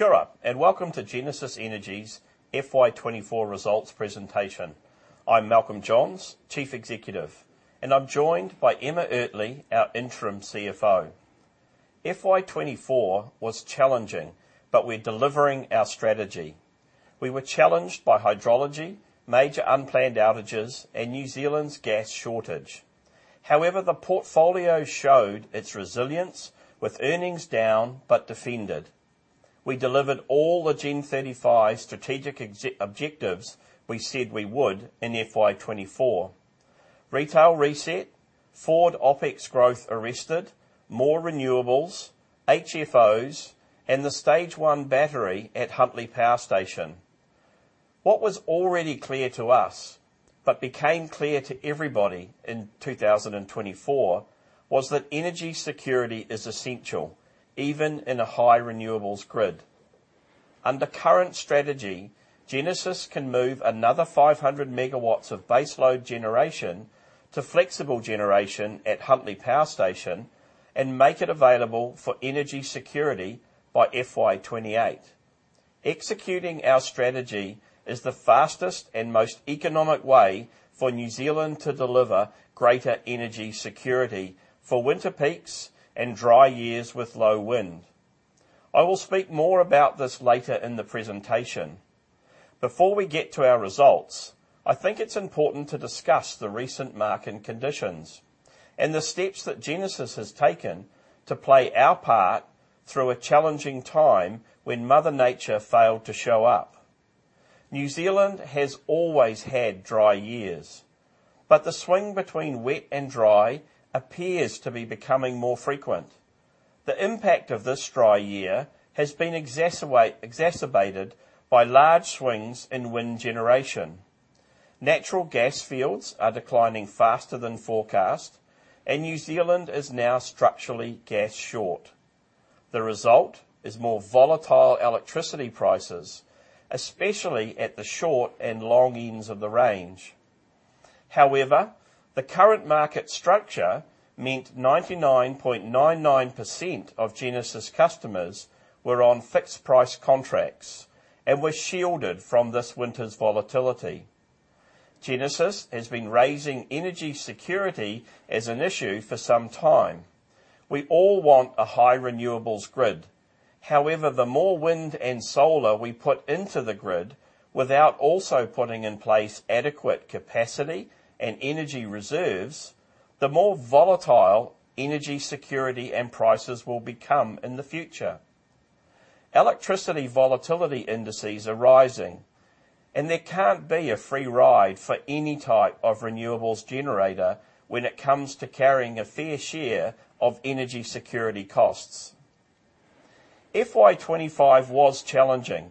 Kia ora, and welcome to Genesis Energy's FY24 Results Presentation. I'm Malcolm Johns, Chief Executive, and I'm joined by Emma Ertley, our Interim CFO. FY24 was challenging, but we're delivering our strategy. We were challenged by hydrology, major unplanned outages, and New Zealand's gas shortage. However, the portfolio showed its resilience, with earnings down but defended. We delivered all the Gen35 strategic objectives we said we would in FY24. Retail reset, forward OpEx growth arrested, more renewables, HFOs, and the stage one battery at Huntly Power Station. What was already clear to us, but became clear to everybody in 2024, was that energy security is essential, even in a high renewables grid. Under current strategy, Genesis can move another 500 MW of baseload generation to flexible generation at Huntly Power Station and make it available for energy security by FY28. Executing our strategy is the fastest and most economic way for New Zealand to deliver greater energy security for winter peaks and dry years with low wind. I will speak more about this later in the presentation. Before we get to our results, I think it's important to discuss the recent market conditions and the steps that Genesis has taken to play our part through a challenging time when Mother Nature failed to show up. New Zealand has always had dry years, but the swing between wet and dry appears to be becoming more frequent. The impact of this dry year has been exacerbated by large swings in wind generation. Natural gas fields are declining faster than forecast, and New Zealand is now structurally gas short. The result is more volatile electricity prices, especially at the short and long ends of the range. However, the current market structure meant 99.99% of Genesis customers were on fixed price contracts and were shielded from this winter's volatility. Genesis has been raising energy security as an issue for some time. We all want a high renewables grid. However, the more wind and solar we put into the grid without also putting in place adequate capacity and energy reserves, the more volatile energy security and prices will become in the future. Electricity volatility indices are rising, and there can't be a free ride for any type of renewables generator when it comes to carrying a fair share of energy security costs. FY 2025 was challenging,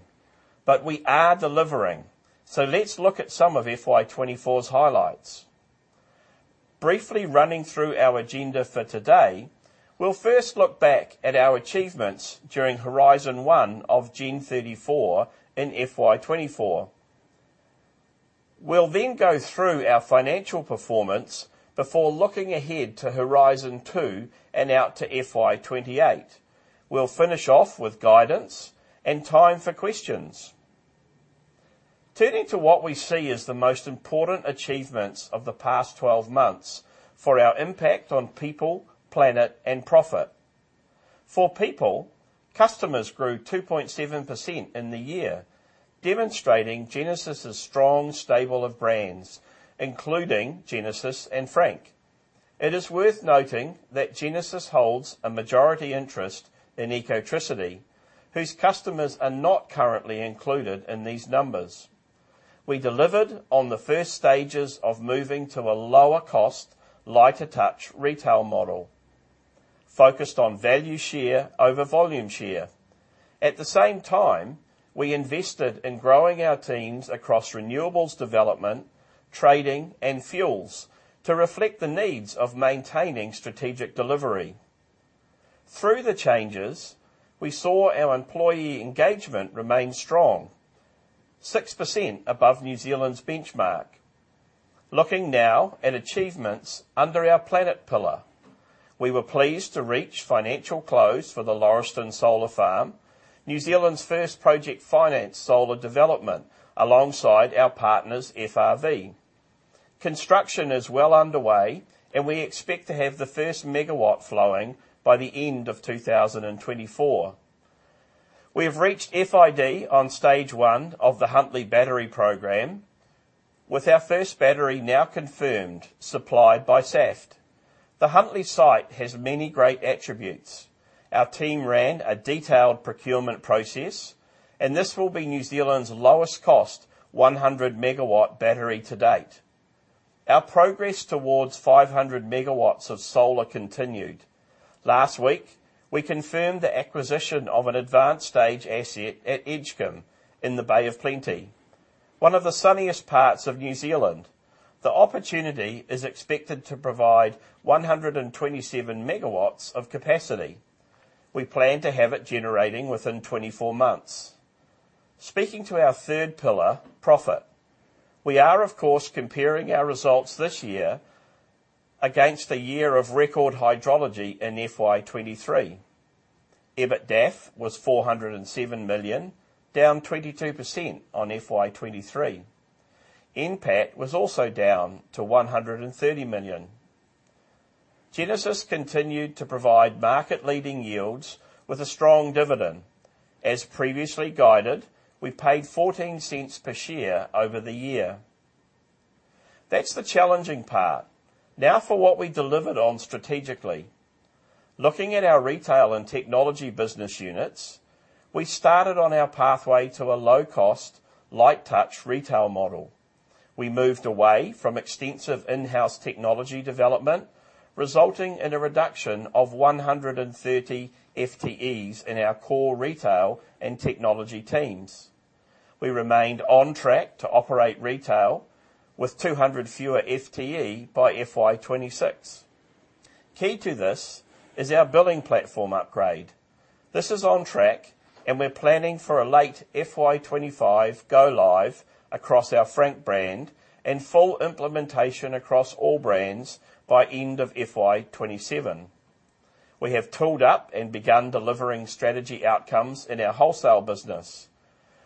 but we are delivering, so let's look at some of FY 2024's highlights. Briefly running through our agenda for today, we'll first look back at our achievements during Horizon One of Gen35 and FY 2024. We'll then go through our financial performance before looking ahead to Horizon Two and out to FY 2028. We'll finish off with guidance and time for questions. Turning to what we see as the most important achievements of the past 12 months for our impact on people, planet, and profit. For people, customers grew 2.7% in the year, demonstrating Genesis' strong stable of brands, including Genesis and Frank. It is worth noting that Genesis holds a majority interest in Ecotricity, whose customers are not currently included in these numbers. We delivered on the first stages of moving to a lower cost, lighter touch retail model focused on value share over volume share. At the same time, we invested in growing our teams across renewables development, trading, and fuels to reflect the needs of maintaining strategic delivery. Through the changes, we saw our employee engagement remain strong, 6% above New Zealand's benchmark. Looking now at achievements under our planet pillar. We were pleased to reach financial close for the Lauriston Solar Farm, New Zealand's first project finance solar development alongside our partners, FRV. Construction is well underway, and we expect to have the first megawatt flowing by the end of 2024. We have reached FID on stage one of the Huntly Battery program, with our first battery now confirmed, supplied by Saft. The Huntly site has many great attributes. Our team ran a detailed procurement process, and this will be New Zealand's lowest cost 100 MW battery to date. Our progress towards 500 MW of solar continued. Last week, we confirmed the acquisition of an advanced stage asset at Edgecumbe in the Bay of Plenty, one of the sunniest parts of New Zealand. The opportunity is expected to provide 127 MW of capacity. We plan to have it generating within 24 months. Speaking to our third pillar, profit. We are of course comparing our results this year against a year of record hydrology in FY 2023. EBITDAF was 407 million, down 22% on FY 2023. NPAT was also down to 130 million. Genesis continued to provide market-leading yields with a strong dividend. As previously guided, we paid 0.14 per share over the year. That's the challenging part. Now for what we delivered on strategically. Looking at our retail and technology business units, we started on our pathway to a low-cost, light-touch retail model. We moved away from extensive in-house technology development, resulting in a reduction of 130 FTEs in our core retail and technology teams. We remained on track to operate retail with 200 fewer FTE by FY 2026. Key to this is our billing platform upgrade. This is on track, and we're planning for a late FY 2025 go live across our Frank brand and full implementation across all brands by end of FY 2027. We have tooled up and begun delivering strategy outcomes in our wholesale business.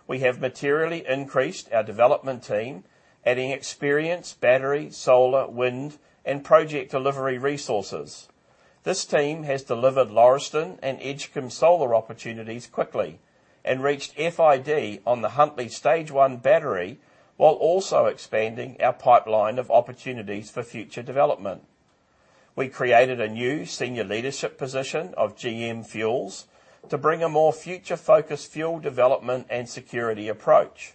We have materially increased our development team, adding experience, battery, solar, wind, and project delivery resources. This team has delivered Lauriston and Edgecumbe solar opportunities quickly and reached FID on the Huntly Stage One battery, while also expanding our pipeline of opportunities for future development. We created a new senior leadership position of GM Fuels to bring a more future-focused fuel development and security approach,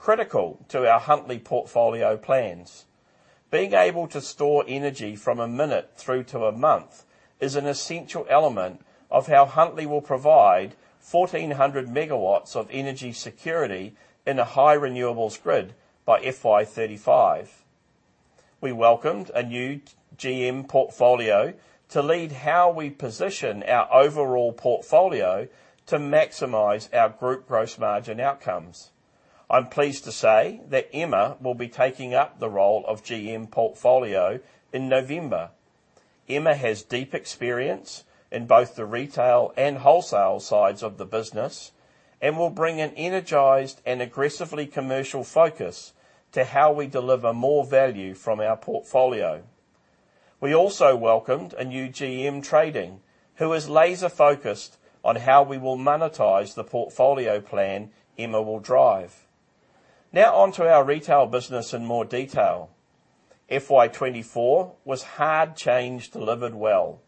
critical to our Huntly portfolio plans. Being able to store energy from a minute through to a month is an essential element of how Huntly will provide 1,400 MW of energy security in a high renewables grid by FY35. We welcomed a new GM Portfolio to lead how we position our overall portfolio to maximize our group gross margin outcomes. I'm pleased to say that Emma will be taking up the role of GM Portfolio in November. Emma has deep experience in both the retail and wholesale sides of the business and will bring an energized and aggressively commercial focus to how we deliver more value from our portfolio. We also welcomed a new GM Trading, who is laser-focused on how we will monetize the portfolio plan Emma will drive. Now on to our retail business in more detail. FY 2024 was hard change delivered well.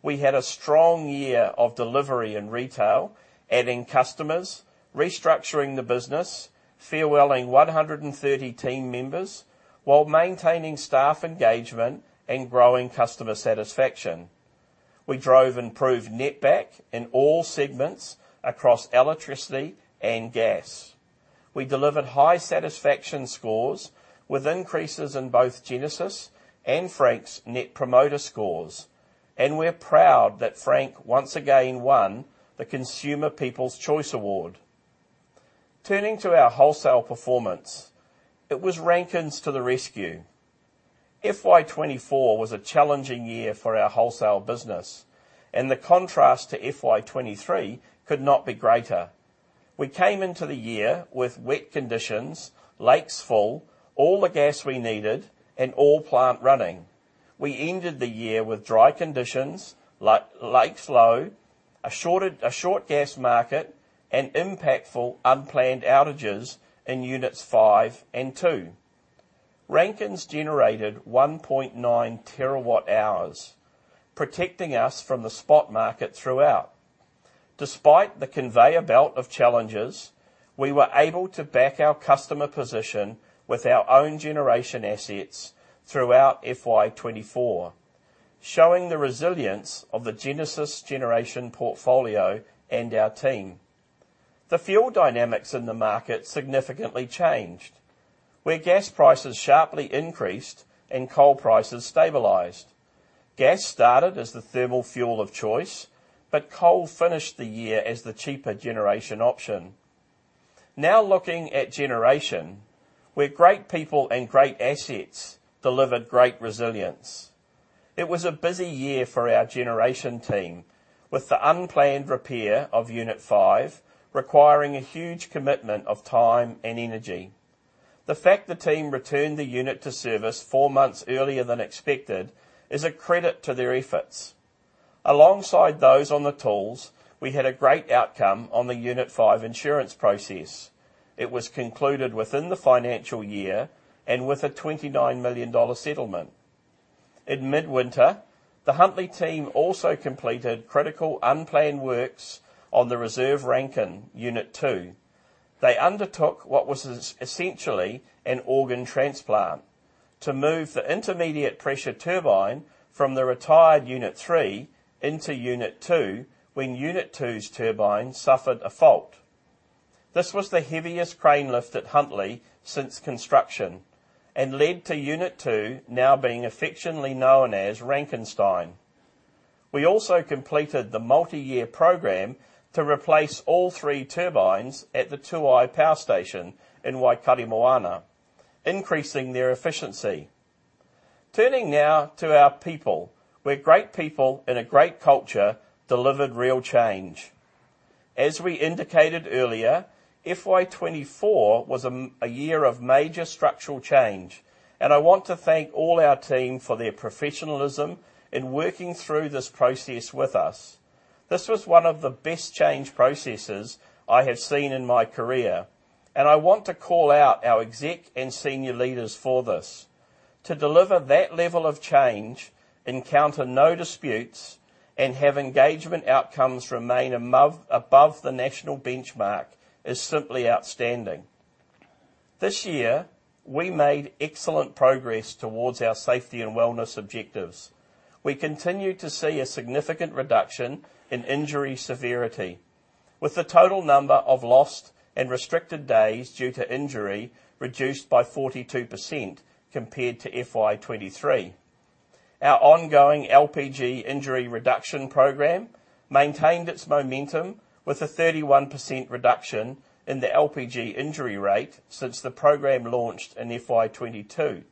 We had a strong year of delivery in retail, adding customers, restructuring the business, farewelling 130 team members while maintaining staff engagement and growing customer satisfaction. We drove improved netback in all segments across electricity and gas. We delivered high satisfaction scores with increases in both Genesis and Frank's Net Promoter scores, and we're proud that Frank once again won the Consumer People's Choice Award. Turning to our wholesale performance, it was Rankine Units to the rescue. FY 2024 was a challenging year for our wholesale business, and the contrast to FY 2023 could not be greater. We came into the year with wet conditions, lakes full, all the gas we needed, and all plant running. We ended the year with dry conditions, lakes low, a short gas market, and impactful unplanned outages in Units 5 and 2. Rankines generated one point nine terawatt-hours, protecting us from the spot market throughout. Despite the conveyor belt of challenges, we were able to back our customer position with our own generation assets throughout FY 2024, showing the resilience of the Genesis generation portfolio and our team. The fuel dynamics in the market significantly changed, where gas prices sharply increased and coal prices stabilized. Gas started as the thermal fuel of choice, but coal finished the year as the cheaper generation option. Now looking at generation, where great people and great assets delivered great resilience. It was a busy year for our generation team, with the unplanned repair of Unit 5 requiring a huge commitment of time and energy. The fact the team returned the unit to service four months earlier than expected is a credit to their efforts. Alongside those on the tools, we had a great outcome on the Unit 5 insurance process. It was concluded within the financial year and with a 29 million dollar settlement. In mid-winter, the Huntly team also completed critical unplanned works on the reserve Rankine Unit 2. They undertook what was essentially an organ transplant to move the intermediate pressure turbine from the retired Unit 3 into Unit 2, when Unit 2's turbine suffered a fault. This was the heaviest crane lift at Huntly since construction and led to Unit 2 now being affectionately known as Rankenstein. We also completed the multi-year program to replace all three turbines at the Tuai Power Station in Waikaremoana, increasing their efficiency. Turning now to our people, where great people and a great culture delivered real change. As we indicated earlier, FY24 was a year of major structural change, and I want to thank all our team for their professionalism in working through this process with us. This was one of the best change processes I have seen in my career, and I want to call out our exec and senior leaders for this. To deliver that level of change, encounter no disputes, and have engagement outcomes remain above the national benchmark is simply outstanding. This year, we made excellent progress towards our safety and wellness objectives. We continued to see a significant reduction in injury severity, with the total number of lost and restricted days due to injury reduced by 42% compared to FY 2023. Our ongoing LPG injury reduction program maintained its momentum, with a 31% reduction in the LPG injury rate since the program launched in FY 2022.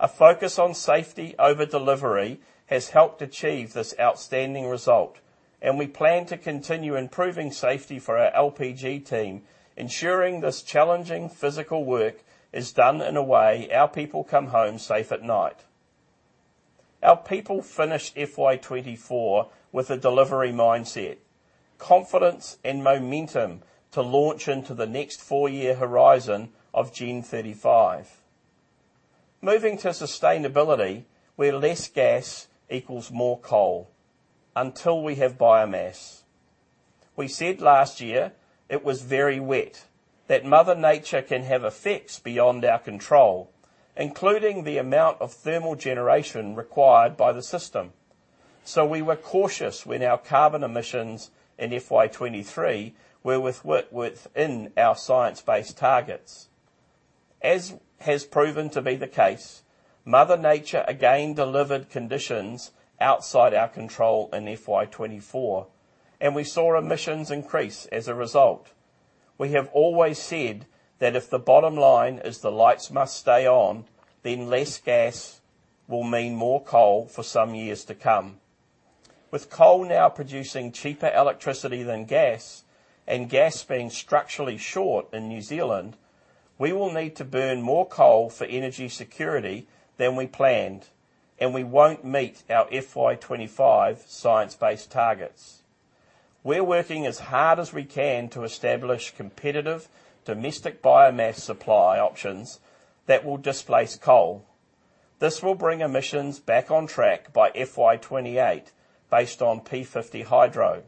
A focus on safety over delivery has helped achieve this outstanding result, and we plan to continue improving safety for our LPG team, ensuring this challenging physical work is done in a way our people come home safe at night. Our people finished FY 2024 with a delivery mindset, confidence, and momentum to launch into the next four-year horizon of Gen35. Moving to sustainability, where less gas equals more coal, until we have biomass. We said last year it was very wet, that Mother Nature can have effects beyond our control, including the amount of thermal generation required by the system. We were cautious when our carbon emissions in FY 2023 were within our Science-Based Targets. As has proven to be the case, Mother Nature again delivered conditions outside our control in FY 2024, and we saw emissions increase as a result. We have always said that if the bottom line is the lights must stay on, then less gas will mean more coal for some years to come. With coal now producing cheaper electricity than gas, and gas being structurally short in New Zealand, we will need to burn more coal for energy security than we planned, and we won't meet our FY 2025 Science-Based Targets. We're working as hard as we can to establish competitive domestic biomass supply options that will displace coal. This will bring emissions back on track by FY28, based on P50 hydro.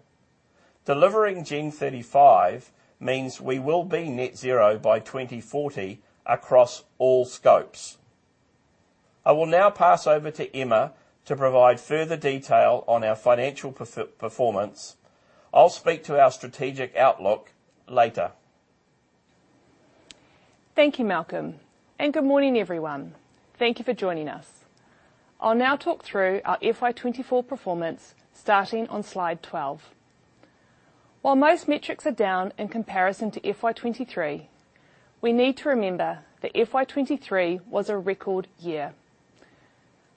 Delivering Gen35 means we will be net zero by 2040 across all scopes. I will now pass over to Emma to provide further detail on our financial performance. I'll speak to our strategic outlook later. Thank you, Malcolm, and good morning, everyone. Thank you for joining us. I'll now talk through our FY 2024 performance, starting on slide 12. While most metrics are down in comparison to FY 2023, we need to remember that FY 2023 was a record year.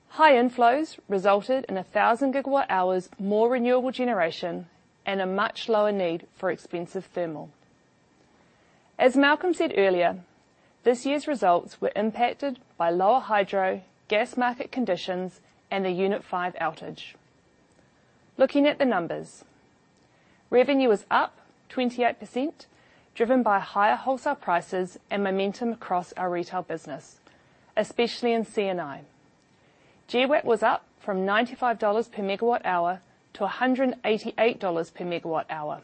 High inflows resulted in 1000 GWh more renewable generation, and a much lower need for expensive thermal. As Malcolm said earlier, this year's results were impacted by lower hydro, gas market conditions, and the Unit 5 outage. Looking at the numbers, revenue is up 28%, driven by higher wholesale prices and momentum across our retail business, especially in C&I. GWAP was up from 95/MWh-188 dollars/MWh,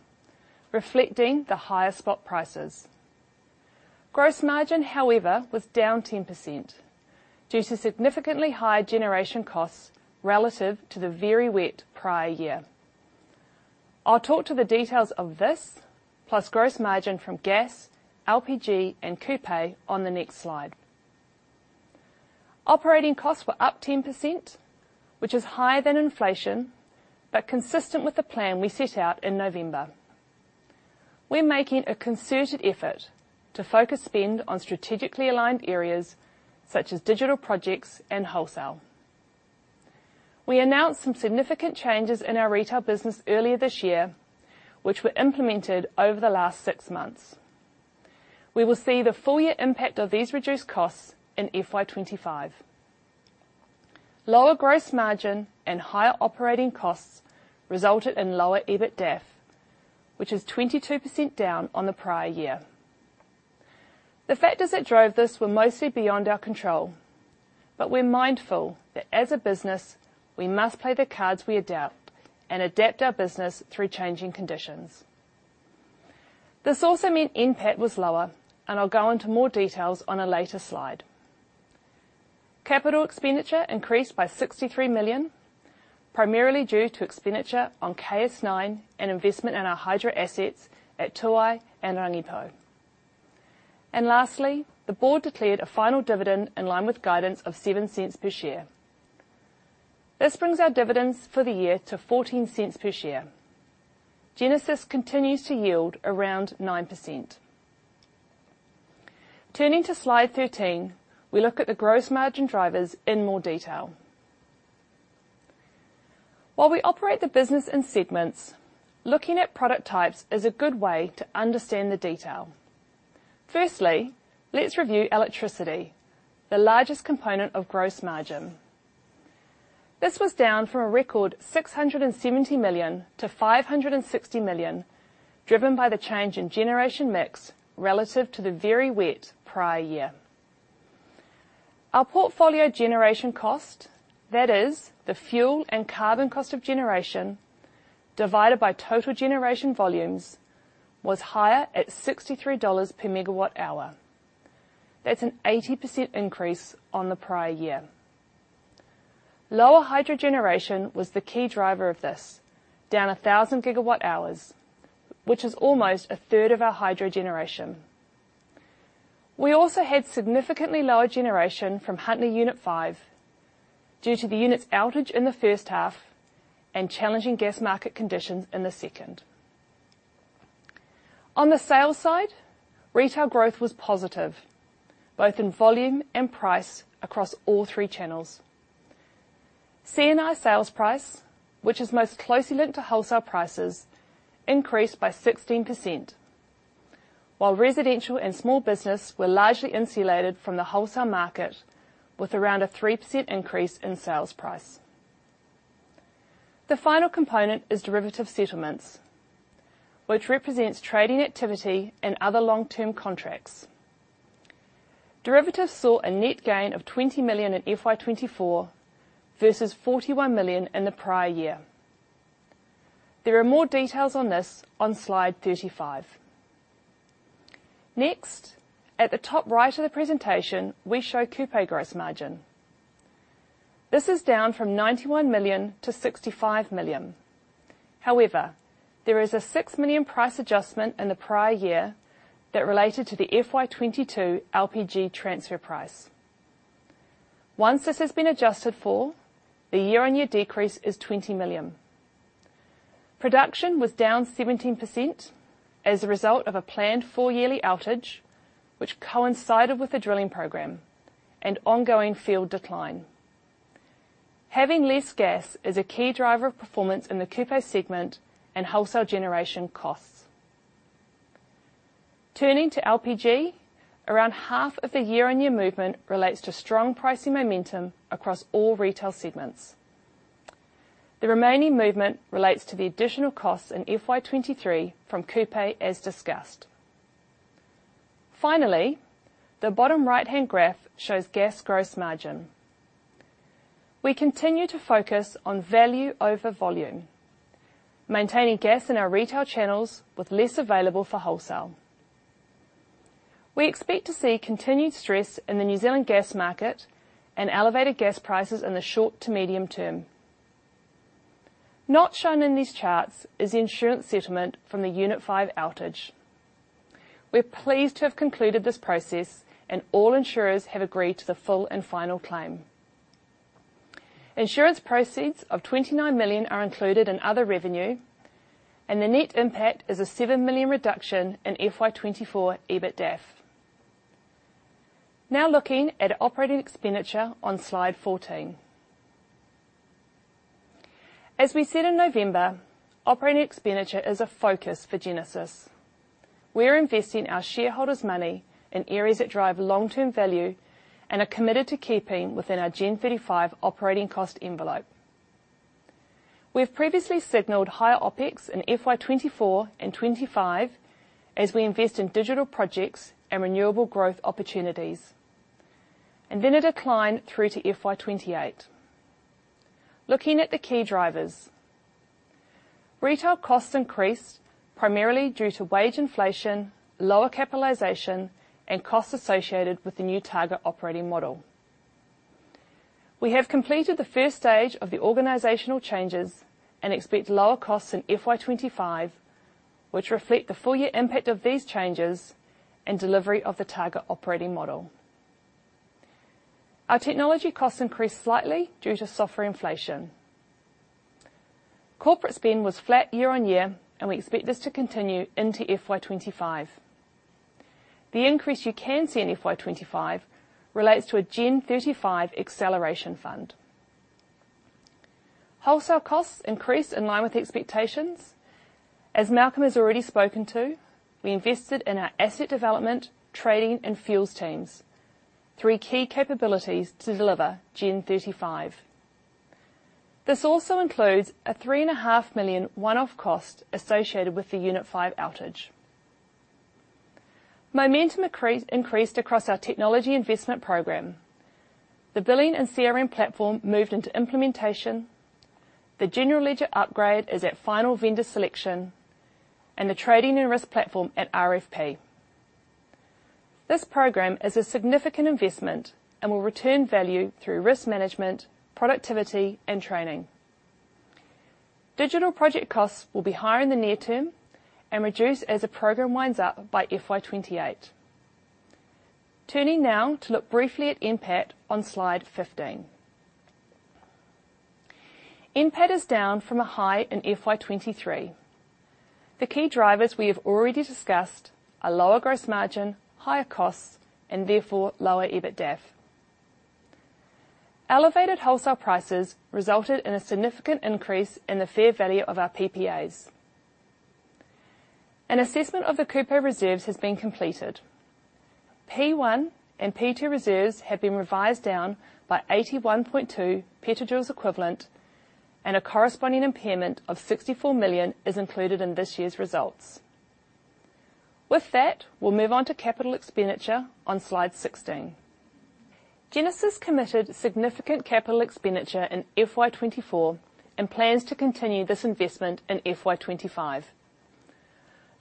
reflecting the higher spot prices. Gross margin, however, was down 10% due to significantly higher generation costs relative to the very wet prior year. I'll talk to the details of this, plus gross margin from gas, LPG, and Kupe on the next slide. Operating costs were up 10%, which is higher than inflation, but consistent with the plan we set out in November. We're making a concerted effort to focus spend on strategically aligned areas such as digital projects and wholesale. We announced some significant changes in our retail business earlier this year, which were implemented over the last six months. We will see the full year impact of these reduced costs in FY 2025. Lower gross margin and higher operating costs resulted in lower EBITDAF, which is 22% down on the prior year. The factors that drove this were mostly beyond our control, but we're mindful that as a business, we must play the cards we are dealt and adapt our business through changing conditions. This also meant NPAT was lower, and I'll go into more details on a later slide. Capital expenditure increased by 63 million, primarily due to expenditure on KS-9 and investment in our hydro assets at Tuai and Rangipo. Lastly, the board declared a final dividend in line with guidance of 0.07 per share. This brings our dividends for the year to 0.14 per share. Genesis continues to yield around 9%. Turning to slide 13, we look at the gross margin drivers in more detail. While we operate the business in segments, looking at product types is a good way to understand the detail. Firstly, let's review electricity, the largest component of gross margin. This was down from a record 670 million-560 million, driven by the change in generation mix relative to the very wet prior year. Our portfolio generation cost, that is, the fuel and carbon cost of generation, divided by total generation volumes, was higher at 63 dollars/MWh. That's an 80% increase on the prior year. Lower hydro generation was the key driver of this, down 1,000 GWhs, which is almost a third of our hydro generation. We also had significantly lower generation from Huntly Unit 5 due to the unit's outage in the first half and challenging gas market conditions in the second. On the sales side, retail growth was positive, both in volume and price across all three channels. C&I sales price, which is most closely linked to wholesale prices, increased by 16%, while residential and small business were largely insulated from the wholesale market, with around a 3% increase in sales price. The final component is derivative settlements, which represents trading activity and other long-term contracts. Derivatives saw a net gain of 20 million in FY 2024 versus 41 million in the prior year. There are more details on this on slide 35. Next, at the top right of the presentation, we show Kupe gross margin. This is down from 91 million-65 million. However, there is a 6 million price adjustment in the prior year that related to the FY 2022 LPG transfer price. Once this has been adjusted for, the year-on-year decrease is 20 million. Production was down 17% as a result of a planned four-yearly outage, which coincided with the drilling program and ongoing field decline. Having less gas is a key driver of performance in the Kupe segment and wholesale generation costs. Turning to LPG, around half of the year-on-year movement relates to strong pricing momentum across all retail segments. The remaining movement relates to the additional costs in FY 2023 from Kupe, as discussed. Finally, the bottom right-hand graph shows gas gross margin. We continue to focus on value over volume, maintaining gas in our retail channels with less available for wholesale. We expect to see continued stress in the New Zealand gas market and elevated gas prices in the short to medium term. Not shown in these charts is the insurance settlement from the Unit 5 outage. We're pleased to have concluded this process, and all insurers have agreed to the full and final claim. Insurance proceeds of 29 million are included in other revenue, and the net impact is a 7 million reduction in FY 2024 EBITDAF. Now, looking at operating expenditure on slide 14. As we said in November, operating expenditure is a focus for Genesis. We are investing our shareholders' money in areas that drive long-term value and are committed to keeping within our Gen35 operating cost envelope. We've previously signaled higher OpEx in FY24 and FY25 as we invest in digital projects and renewable growth opportunities, and then a decline through to FY28. Looking at the key drivers, retail costs increased primarily due to wage inflation, lower capitalization, and costs associated with the new target operating model. We have completed the first stage of the organizational changes and expect lower costs in FY25, which reflect the full year impact of these changes and delivery of the target operating model. Our technology costs increased slightly due to software inflation. Corporate spend was flat year on year, and we expect this to continue into FY25. The increase you can see in FY 2025 relates to a Gen35 acceleration fund. Wholesale costs increased in line with expectations. As Malcolm has already spoken to, we invested in our asset development, trading, and fuels teams, three key capabilities to deliver Gen35. This also includes a 3.5 million one-off cost associated with the Unit 5 outage. Momentum increased across our technology investment program. The billing and CRM platform moved into implementation, the general ledger upgrade is at final vendor selection, and the trading and risk platform at RFP. This program is a significant investment and will return value through risk management, productivity, and training.... Digital project costs will be higher in the near term and reduce as the program winds up by FY 2028. Turning now to look briefly at NPAT on slide 15. NPAT is down from a high in FY 2023. The key drivers we have already discussed are lower gross margin, higher costs, and therefore lower EBITDAF. Elevated wholesale prices resulted in a significant increase in the fair value of our PPAs. An assessment of the Kupe reserves has been completed. P1 and P2 reserves have been revised down by 81.2 petajoules equivalent, and a corresponding impairment of 64 million is included in this year's results. With that, we'll move on to capital expenditure on slide 16. Genesis committed significant capital expenditure in FY 2024 and plans to continue this investment in FY 2025.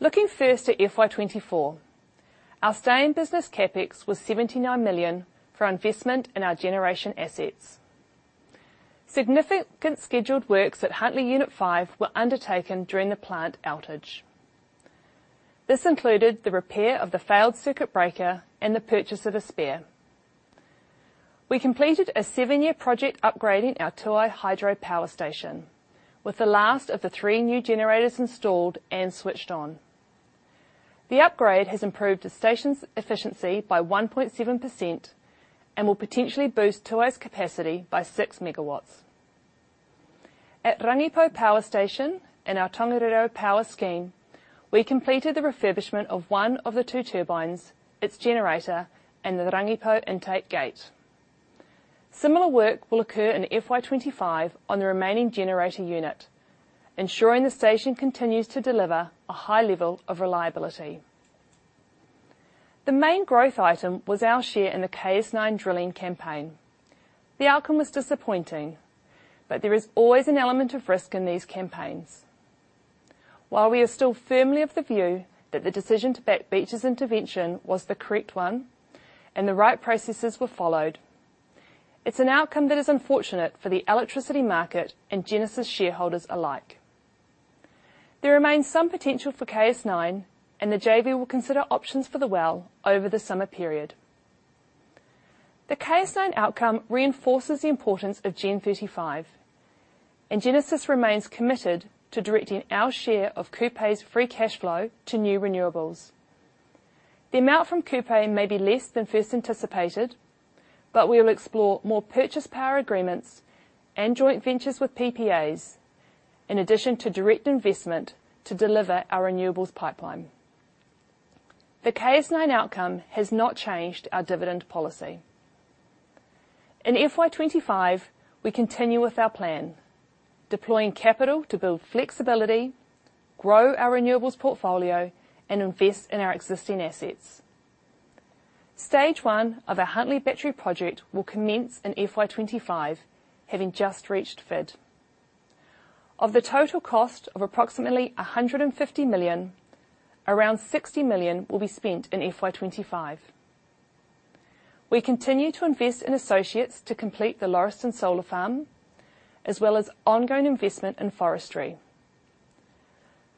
Looking first at FY 2024, our steady-state business CapEx was 79 million for investment in our generation assets. Significant scheduled works at Huntly Unit 5 were undertaken during the plant outage. This included the repair of the failed circuit breaker and the purchase of a spare. We completed a seven-year project upgrading our Tuai Power Station, with the last of the three new generators installed and switched on. The upgrade has improved the station's efficiency by 1.7% and will potentially boost Tuai's capacity by six megawatts. At Rangipo Power Station, in our Tongariro Power Scheme, we completed the refurbishment of one of the two turbines, its generator, and the Rangipo intake gate. Similar work will occur in FY 2025 on the remaining generator unit, ensuring the station continues to deliver a high level of reliability. The main growth item was our share in the KS-9 drilling campaign. The outcome was disappointing, but there is always an element of risk in these campaigns. While we are still firmly of the view that the decision to back Beach's intervention was the correct one and the right processes were followed, it's an outcome that is unfortunate for the electricity market and Genesis shareholders alike. There remains some potential for KS-9, and the JV will consider options for the well over the summer period. The KS-9 outcome reinforces the importance of Gen35, and Genesis remains committed to directing our share of Kupe's free cash flow to new renewables. The amount from Kupe may be less than first anticipated, but we will explore more purchase power agreements and joint ventures with PPAs, in addition to direct investment to deliver our renewables pipeline. The KS-9 outcome has not changed our dividend policy. In FY25, we continue with our plan: deploying capital to build flexibility, grow our renewables portfolio, and invest in our existing assets. Stage one of our Huntly Battery project will commence in FY25, having just reached FID. Of the total cost of approximately 150 million, around 60 million will be spent in FY25. We continue to invest in associates to complete the Lauriston Solar Farm, as well as ongoing investment in forestry.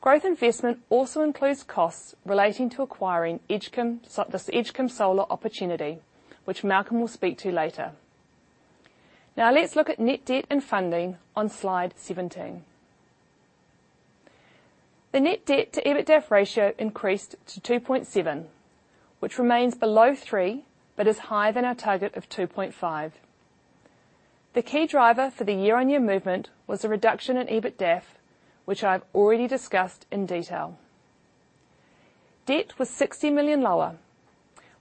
Growth investment also includes costs relating to acquiring Edgecumbe, so this Edgecumbe Solar opportunity, which Malcolm will speak to later. Now, let's look at net debt and funding on slide seventeen. The net debt to EBITDAF ratio increased to 2.7, which remains below 3, but is higher than our target of 2.5. The key driver for the year-on-year movement was a reduction in EBITDAF, which I've already discussed in detail. Debt was 60 million lower.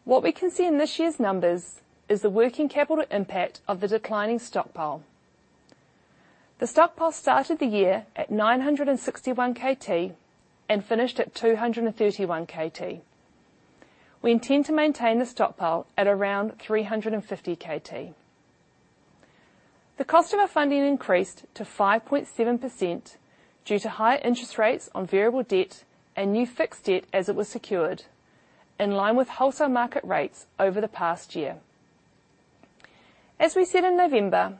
What we can see in this year's numbers is the working capital impact of the declining stockpile. The stockpile started the year at 961 KT and finished at 231 KT. We intend to maintain the stockpile at around 350 KT. The cost of our funding increased to 5.7% due to higher interest rates on variable debt and new fixed debt as it was secured, in line with wholesale market rates over the past year. As we said in November,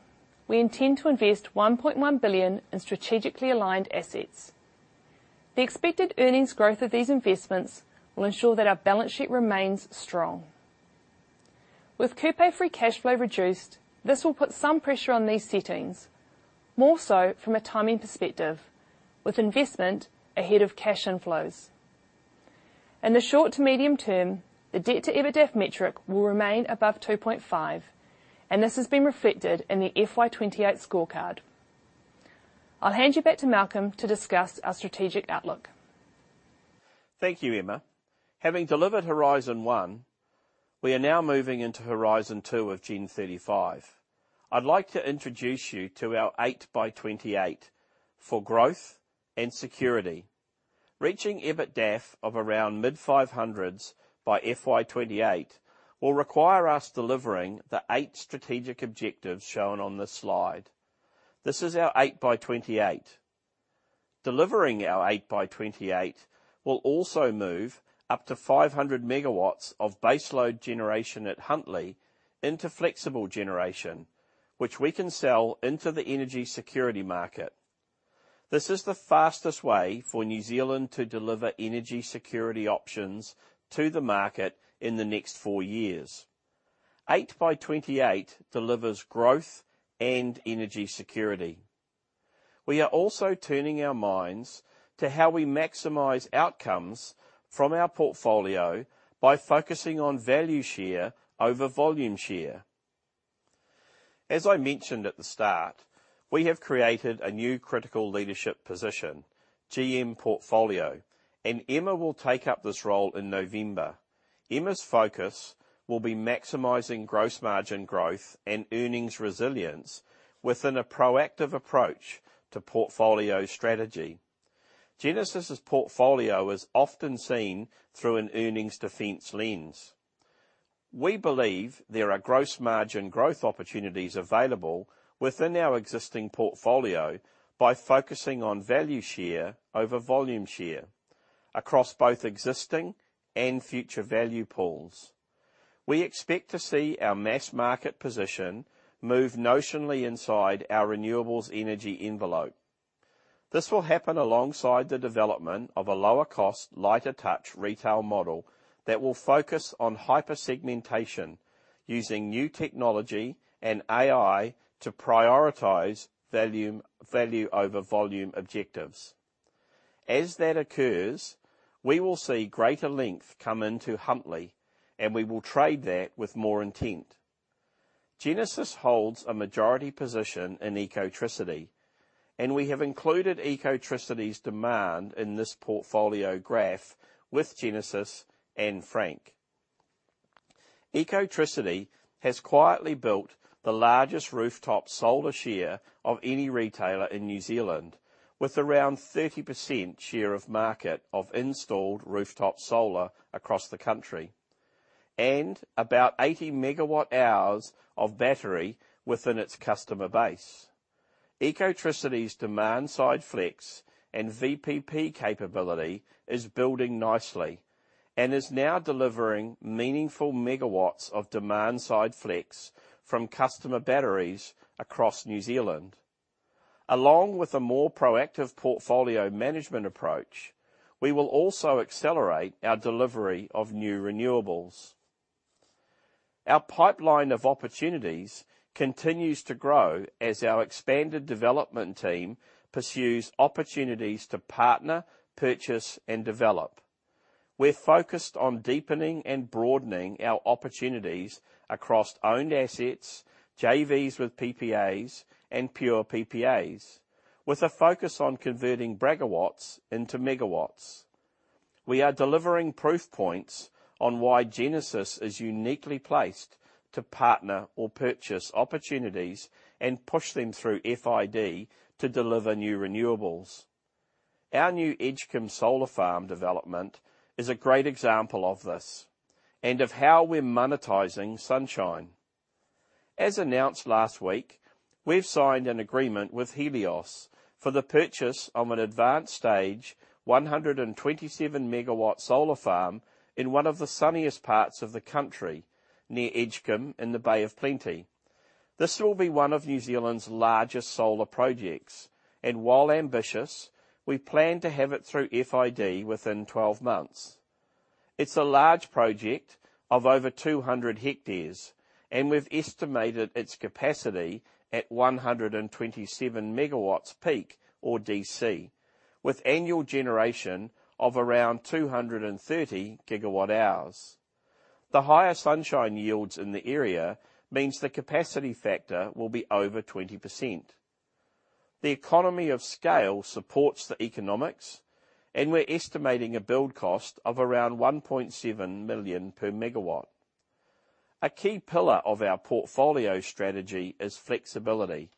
we intend to invest 1.1 billion in strategically aligned assets. The expected earnings growth of these investments will ensure that our balance sheet remains strong. With Kupe free cash flow reduced, this will put some pressure on these settings, more so from a timing perspective, with investment ahead of cash inflows. In the short to medium term, the debt to EBITDAF metric will remain above two point five, and this has been reflected in the FY28 scorecard. I'll hand you back to Malcolm to discuss our strategic outlook. Thank you, Emma. Having delivered Horizon One, we are now moving into Horizon Two of Gen35. I'd like to introduce you to our Eight by 2028 for growth and security. Reaching EBITDAF of around mid-500s by FY 2028 will require us delivering the eight strategic objectives shown on this slide. This is our Eight by 2028.... Delivering our Eight by 2028 will also move up to 500 MW of baseload generation at Huntly into flexible generation, which we can sell into the energy security market. This is the fastest way for New Zealand to deliver energy security options to the market in the next four years. Eight by 2028 delivers growth and energy security. We are also turning our minds to how we maximize outcomes from our portfolio by focusing on value share over volume share. As I mentioned at the start, we have created a new critical leadership position, GM Portfolio, and Emma will take up this role in November. Emma's focus will be maximizing gross margin growth and earnings resilience within a proactive approach to portfolio strategy. Genesis's portfolio is often seen through an earnings defense lens. We believe there are gross margin growth opportunities available within our existing portfolio by focusing on value share over volume share, across both existing and future value pools. We expect to see our mass market position move notionally inside our renewables energy envelope. This will happen alongside the development of a lower cost, lighter touch retail model that will focus on hyper segmentation, using new technology and AI to prioritize value, value over volume objectives. As that occurs, we will see greater length come into Huntly, and we will trade that with more intent. Genesis holds a majority position in Ecotricity, and we have included Ecotricity's demand in this portfolio graph with Genesis and Frank. Ecotricity has quietly built the largest rooftop solar share of any retailer in New Zealand, with around 30% share of market of installed rooftop solar across the country and about 80/MWhs of battery within its customer base. Ecotricity's demand side flex and VPP capability is building nicely and is now delivering meaningful megawatts of demand side flex from customer batteries across New Zealand. Along with a more proactive portfolio management approach, we will also accelerate our delivery of new renewables. Our pipeline of opportunities continues to grow as our expanded development team pursues opportunities to partner, purchase, and develop. We're focused on deepening and broadening our opportunities across owned assets, JVs with PPAs, and pure PPAs, with a focus on converting braggawatts into megawatts. We are delivering proof points on why Genesis is uniquely placed to partner or purchase opportunities and push them through FID to deliver new renewables. Our new Edgecumbe Solar Farm development is a great example of this, and of how we're monetizing sunshine. As announced last week, we've signed an agreement with Helios for the purchase of an advanced stage, 127 MW solar farm in one of the sunniest parts of the country, near Edgecumbe in the Bay of Plenty. This will be one of New Zealand's largest solar projects, and while ambitious, we plan to have it through FID within 12 months. It's a large project of over 200 hectares, and we've estimated its capacity at 127 MW peak, or DC, with annual generation of around 230 GWhs. The higher sunshine yields in the area means the capacity factor will be over 20%. The economy of scale supports the economics, and we're estimating a build cost of around 1.7 million per MW. A key pillar of our portfolio strategy is flexibility,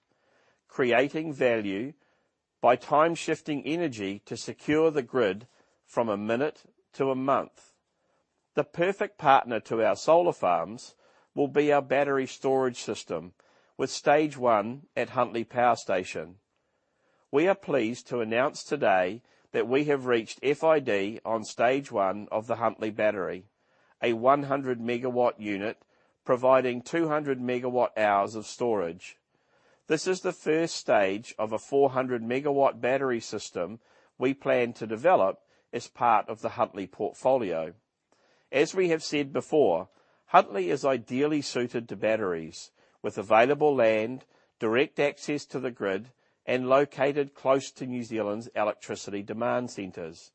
creating value by time shifting energy to secure the grid from a minute to a month. The perfect partner to our solar farms will be our battery storage system with stage one at Huntly Power Station. We are pleased to announce today that we have reached FID on stage one of the Huntly battery, a 100 MW unit providing 200 MWh of storage. This is the first stage of a 400 MW battery system we plan to develop as part of the Huntly portfolio. As we have said before, Huntly is ideally suited to batteries, with available land, direct access to the grid, and located close to New Zealand's electricity demand centers.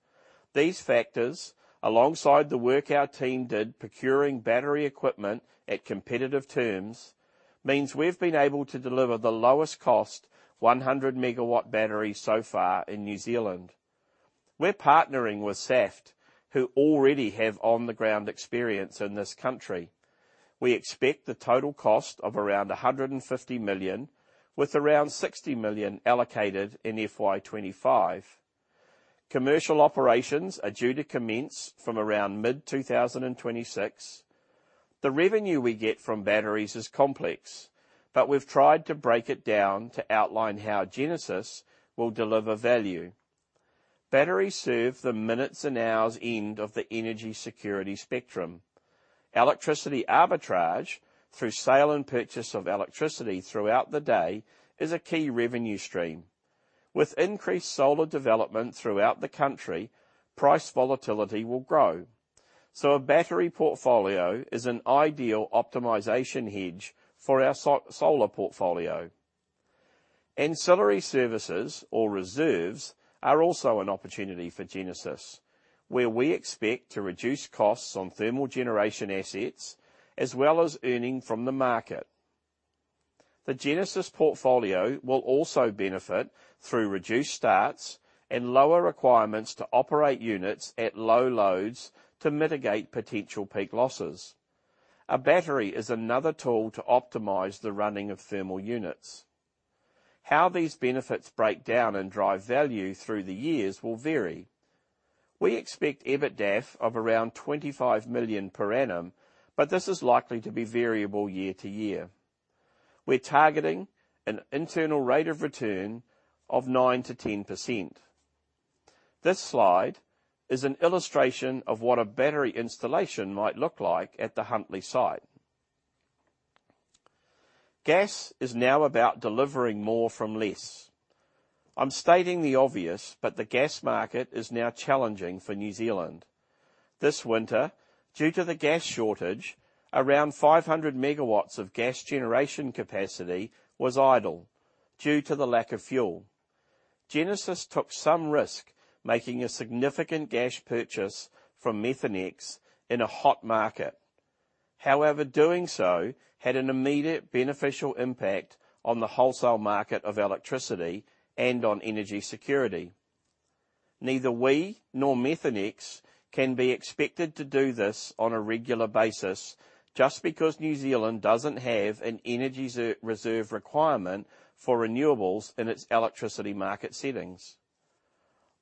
These factors, alongside the work our team did procuring battery equipment at competitive terms, means we've been able to deliver the lowest cost, 100 MW battery so far in New Zealand. We're partnering with Saft, who already have on-the-ground experience in this country. We expect the total cost of around 150 million, with around 60 million allocated in FY25. Commercial operations are due to commence from around mid-2026. The revenue we get from batteries is complex, but we've tried to break it down to outline how Genesis will deliver value. Batteries serve the minutes and hours end of the energy security spectrum. Electricity arbitrage, through sale and purchase of electricity throughout the day, is a key revenue stream. With increased solar development throughout the country, price volatility will grow, so a battery portfolio is an ideal optimization hedge for our solar portfolio. Ancillary services or reserves are also an opportunity for Genesis, where we expect to reduce costs on thermal generation assets, as well as earning from the market. The Genesis portfolio will also benefit through reduced starts and lower requirements to operate units at low loads to mitigate potential peak losses. A battery is another tool to optimize the running of thermal units. How these benefits break down and drive value through the years will vary. We expect EBITDA of around 25 million per annum, but this is likely to be variable year to year. We're targeting an internal rate of return of 9%-10%. This slide is an illustration of what a battery installation might look like at the Huntly site. Gas is now about delivering more from less. I'm stating the obvious, but the gas market is now challenging for New Zealand. This winter, due to the gas shortage, around 500 MW of gas generation capacity was idle due to the lack of fuel. Genesis took some risk, making a significant gas purchase from Methanex in a hot market. However, doing so had an immediate beneficial impact on the wholesale market of electricity and on energy security. Neither we nor Methanex can be expected to do this on a regular basis just because New Zealand doesn't have an energy reserve requirement for renewables in its electricity market settings.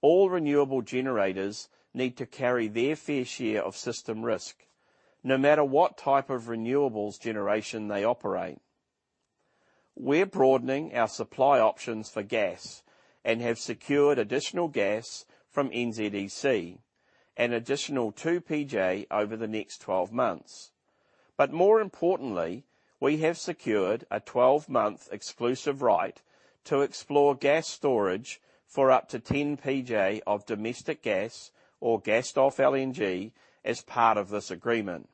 All renewable generators need to carry their fair share of system risk, no matter what type of renewables generation they operate. We're broadening our supply options for gas and have secured additional gas from NZEC, an additional two PJ over the next 12 months. But more importantly, we have secured a 12-month exclusive right to explore gas storage for up to 10 PJ of domestic gas or gassed-off LNG as part of this agreement.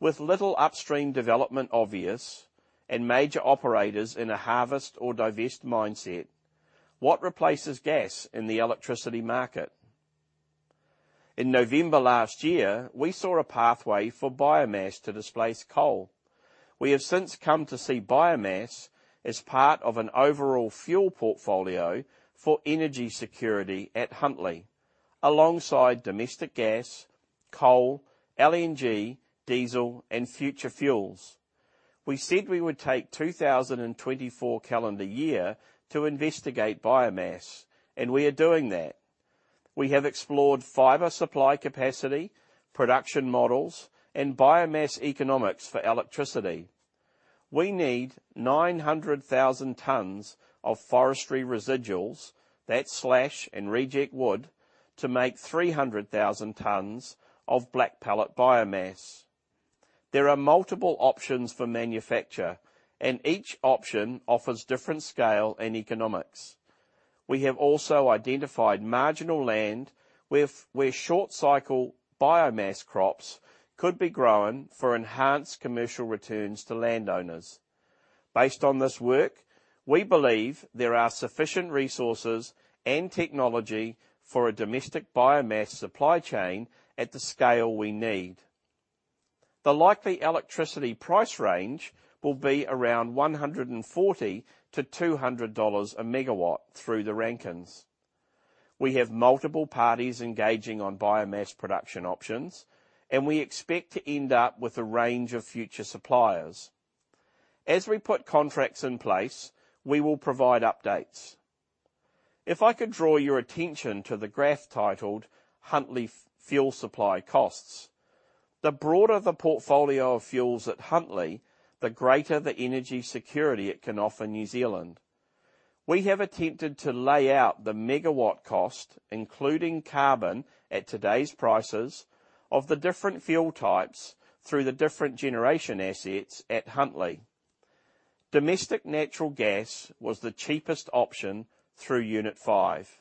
With little upstream development obvious and major operators in a harvest or divest mindset, what replaces gas in the electricity market? In November last year, we saw a pathway for biomass to displace coal. We have since come to see biomass as part of an overall fuel portfolio for energy security at Huntly, alongside domestic gas, coal, LNG, diesel, and future fuels. We said we would take 2024 calendar year to investigate biomass, and we are doing that. We have explored fiber supply capacity, production models, and biomass economics for electricity. We need nine hundred thousand tons of forestry residuals, that's slash and reject wood, to make three hundred thousand tons of black pellet biomass. There are multiple options for manufacture, and each option offers different scale and economics. We have also identified marginal land where short-cycle biomass crops could be grown for enhanced commercial returns to landowners. Based on this work, we believe there are sufficient resources and technology for a domestic biomass supply chain at the scale we need. The likely electricity price range will be around 140-200 dollars a megawatt through the Rankines. We have multiple parties engaging on biomass production options, and we expect to end up with a range of future suppliers. As we put contracts in place, we will provide updates. If I could draw your attention to the graph titled "Huntly Fuel Supply Costs," the broader the portfolio of fuels at Huntly, the greater the energy security it can offer New Zealand. We have attempted to lay out the megawatt cost, including carbon, at today's prices of the different fuel types through the different generation assets at Huntly. Domestic natural gas was the cheapest option through Unit 5.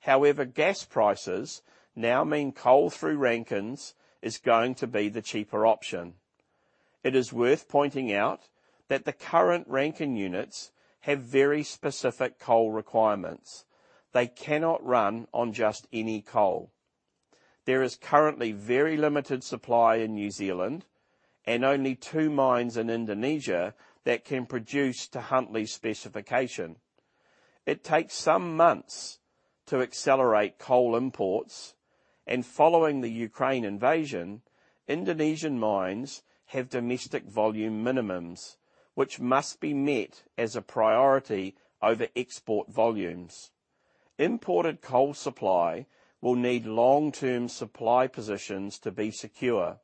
However, gas prices now mean coal through Rankine units is going to be the cheaper option. It is worth pointing out that the current Rankine units have very specific coal requirements. They cannot run on just any coal. There is currently very limited supply in New Zealand and only two mines in Indonesia that can produce to Huntly's specification. It takes some months to accelerate coal imports... And following the Ukraine invasion, Indonesian mines have domestic volume minimums, which must be met as a priority over export volumes. Imported coal supply will need long-term supply positions to be secure.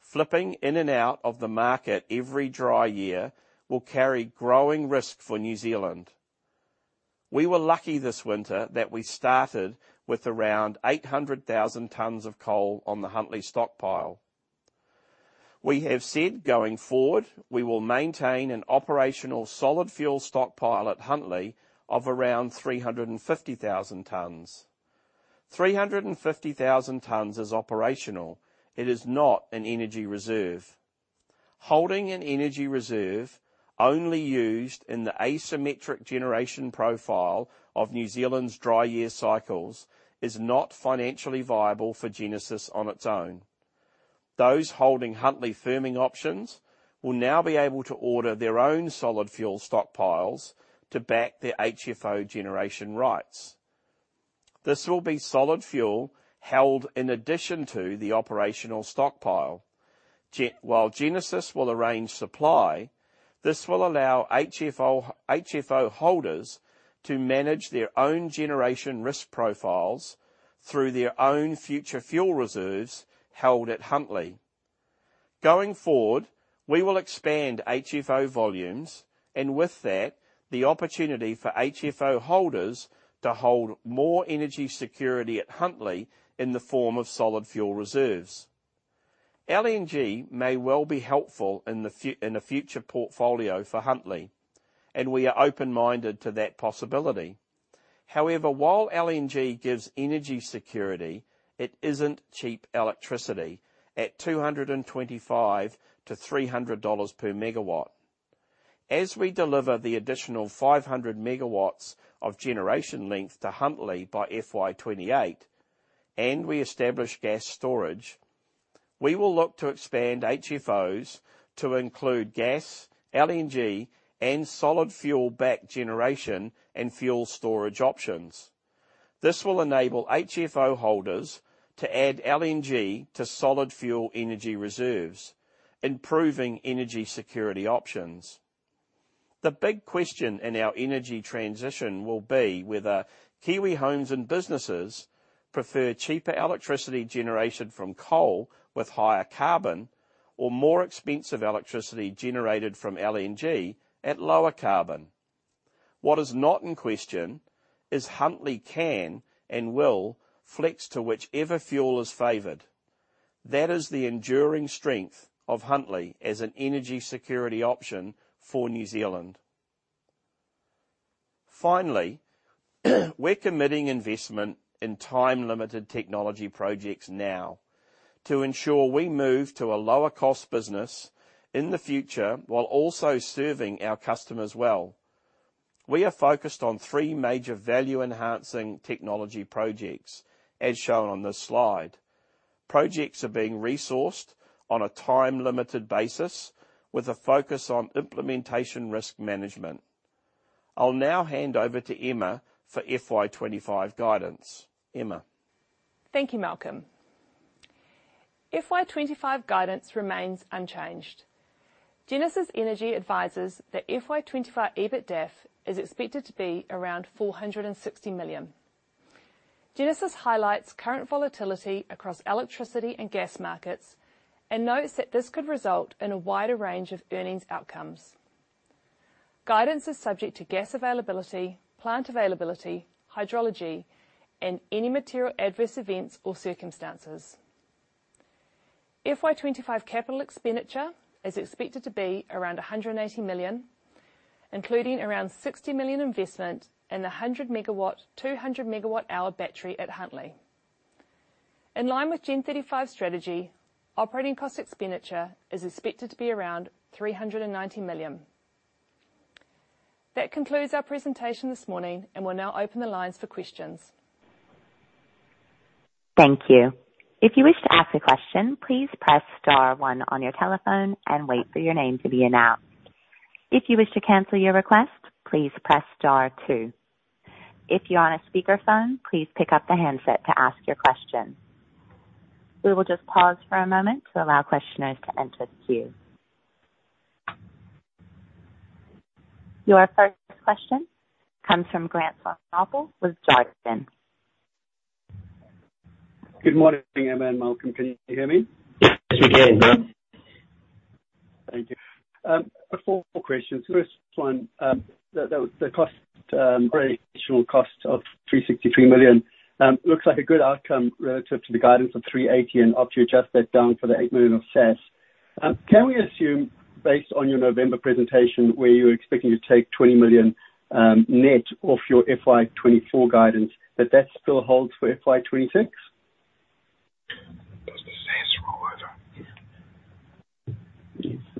Flipping in and out of the market every dry year will carry growing risk for New Zealand. We were lucky this winter that we started with around 800,000 tons of coal on the Huntly stockpile. We have said, going forward, we will maintain an operational solid fuel stockpile at Huntly of around 350,000 tons. 350,000 tons is operational. It is not an energy reserve. Holding an energy reserve only used in the asymmetric generation profile of New Zealand's dry year cycles is not financially viable for Genesis on its own. Those holding Huntly Firming Options will now be able to order their own solid fuel stockpiles to back their HFO generation rights. This will be solid fuel held in addition to the operational stockpile. While Genesis will arrange supply, this will allow HFO holders to manage their own generation risk profiles through their own future fuel reserves held at Huntly. Going forward, we will expand HFO volumes, and with that, the opportunity for HFO holders to hold more energy security at Huntly in the form of solid fuel reserves. LNG may well be helpful in the future portfolio for Huntly, and we are open-minded to that possibility. However, while LNG gives energy security, it isn't cheap electricity, at 225-300 dollars per megawatt. As we deliver the additional 500 MW of generation to Huntly by FY 2028, and we establish gas storage, we will look to expand HFOs to include gas, LNG, and solid fuel-backed generation and fuel storage options. This will enable HFO holders to add LNG to solid fuel energy reserves, improving energy security options. The big question in our energy transition will be whether Kiwi homes and businesses prefer cheaper electricity generation from coal with higher carbon or more expensive electricity generated from LNG at lower carbon. What is not in question is Huntly can and will flex to whichever fuel is favored. That is the enduring strength of Huntly as an energy security option for New Zealand. Finally, we're committing investment in time-limited technology projects now to ensure we move to a lower cost business in the future, while also serving our customers well. We are focused on three major value-enhancing technology projects, as shown on this slide. Projects are being resourced on a time-limited basis, with a focus on implementation risk management. I'll now hand over to Emma for FY25 guidance. Emma? Thank you, Malcolm. FY25 guidance remains unchanged. Genesis Energy advises that FY25 EBITDAF is expected to be around 460 million. Genesis highlights current volatility across electricity and gas markets and notes that this could result in a wider range of earnings outcomes. Guidance is subject to gas availability, plant availability, hydrology, and any material adverse events or circumstances. FY25 capital expenditure is expected to be around 180 million, including around 60 million investment and a 100 MW, 200 MWh battery at Huntly. In line with Gen35's strategy, operating cost expenditure is expected to be around 390 million. That concludes our presentation this morning, and we'll now open the lines for questions. Thank you. If you wish to ask a question, please press star one on your telephone and wait for your name to be announced. If you wish to cancel your request, please press star two. If you're on a speakerphone, please pick up the handset to ask your question. We will just pause for a moment to allow questioners to enter the queue. Your first question comes from Grant Swanepoel with Jarden. Good morning, Emma and Malcolm. Can you hear me? Yes, we can, Grant. Thank you. Four questions. First one, the additional cost of 363 million looks like a good outcome relative to the guidance of 380 and after you adjust that down for the 8 million of SaaS. Can we assume, based on your November presentation, where you were expecting to take 20 million net off your FY 2024 guidance, that that still holds for FY 2026? Does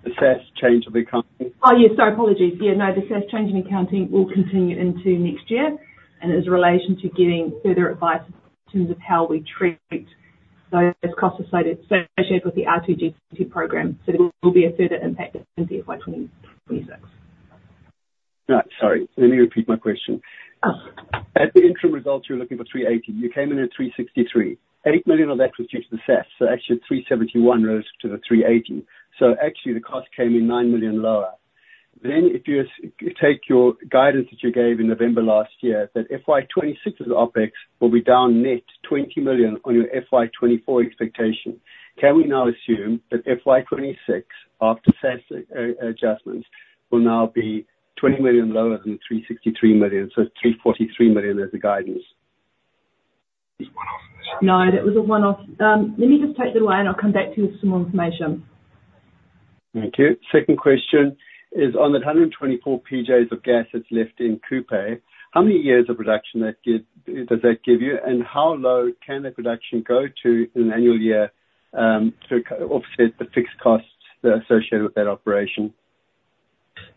the SaaS rule over? The SaaS change of accounting? Oh, yeah, sorry, apologies. Yeah, no, the SaaS change in accounting will continue into next year and is in relation to giving further advice in terms of how we treat those costs associated with the RT&T program. So there will be a further impact in FY 2026.... No, sorry, let me repeat my question. At the interim results, you were looking for 380, you came in at 363. Eight million of that was due to the SaaS, so actually 371 rose to the 380. So actually the cost came in nine million lower. Then if you take your guidance that you gave in November last year, that FY 2026's OpEx will be down net 20 million on your FY 2024 expectation. Can we now assume that FY 2026, after SaaS adjustments, will now be 20 million lower than 363 million, so 343 million as the guidance? No, that was a one-off. Let me just take the line, I'll come back to you with some more information. Thank you. Second question is on the 124 PJs of gas that's left in Kupe, how many years of production that give—does that give you? And how low can the production go to in an annual year, to offset the fixed costs that are associated with that operation?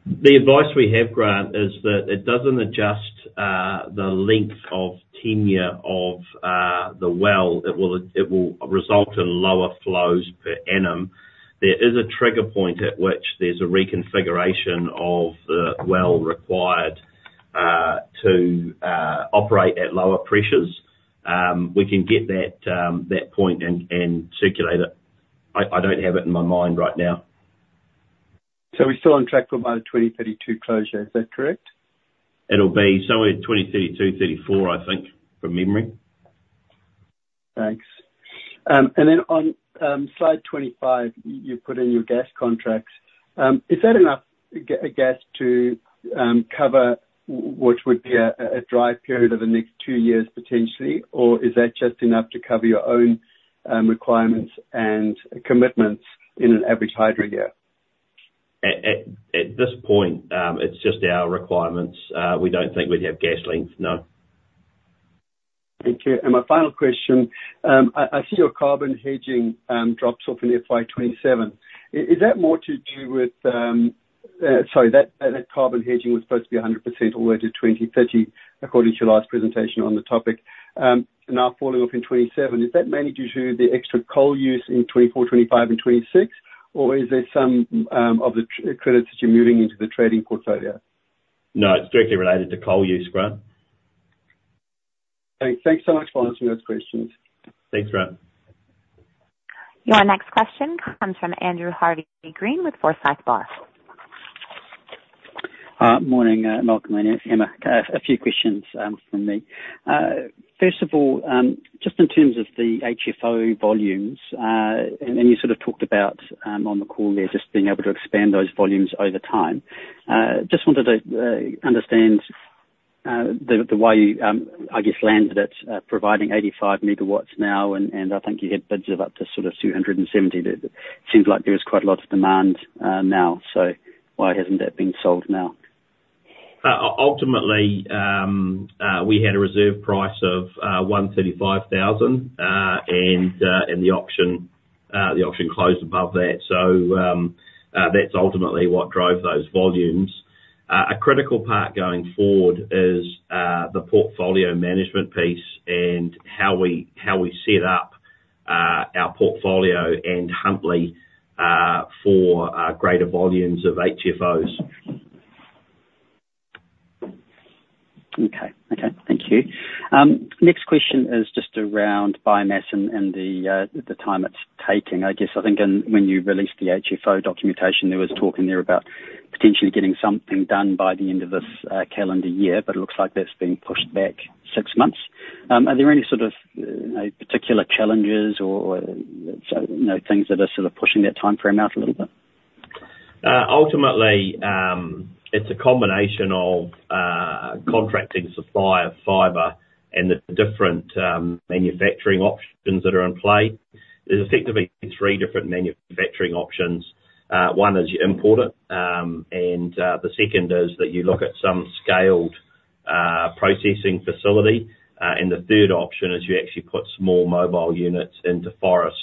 The advice we have, Grant, is that it doesn't adjust the length of tenure of the well. It will result in lower flows per annum. There is a trigger point at which there's a reconfiguration of the well required to operate at lower pressures. We can get that point and circulate it. I don't have it in my mind right now. So we're still on track for about a 2032 closure. Is that correct? It'll be somewhere in 2032-2034, I think, from memory. Thanks, and then on slide 25, you put in your gas contracts. Is that enough gas to cover what would be a dry period over the next two years, potentially? Or is that just enough to cover your own requirements and commitments in an average hydro year? At this point, it's just our requirements. We don't think we'd have gas left. No. Thank you. And my final question, I see your carbon hedging drops off in FY 2027. Is that more to do with? Sorry, that carbon hedging was supposed to be 100% all the way to 2030, according to your last presentation on the topic. Now falling off in 2027, is that mainly due to the extra coal use in 2024, 2025 and 2026, or is there some of the credits that you're moving into the trading portfolio? No, it's directly related to coal use, Grant. Thanks. Thanks so much for answering those questions. Thanks, Grant. Your next question comes from Andrew Harvey-Green with Forsyth Barr. Morning, Malcolm and Emma. A few questions from me. First of all, just in terms of the HFO volumes, and you sort of talked about on the call there, just being able to expand those volumes over time. Just wanted to understand the way you, I guess, landed at providing 85 MW now, and I think you had bids of up to sort of 270. That seems like there is quite a lot of demand now. So why hasn't that been sold now? Ultimately, we had a reserve price of 135,000, and the auction closed above that. So, that's ultimately what drove those volumes. A critical part going forward is the portfolio management piece, and how we set up our portfolio and Huntly for greater volumes of HFOs. Okay. Okay, thank you. Next question is just around biomass and the time it's taking. I guess when you released the HFO documentation, there was talk in there about potentially getting something done by the end of this calendar year, but it looks like that's been pushed back six months. Are there any sort of particular challenges or so, you know, things that are sort of pushing that timeframe out a little bit? Ultimately, it's a combination of contracting supplier fiber and the different manufacturing options that are in play. There's effectively three different manufacturing options. One is you import it, and the second is that you look at some scaled processing facility. And the third option is you actually put small mobile units into forest.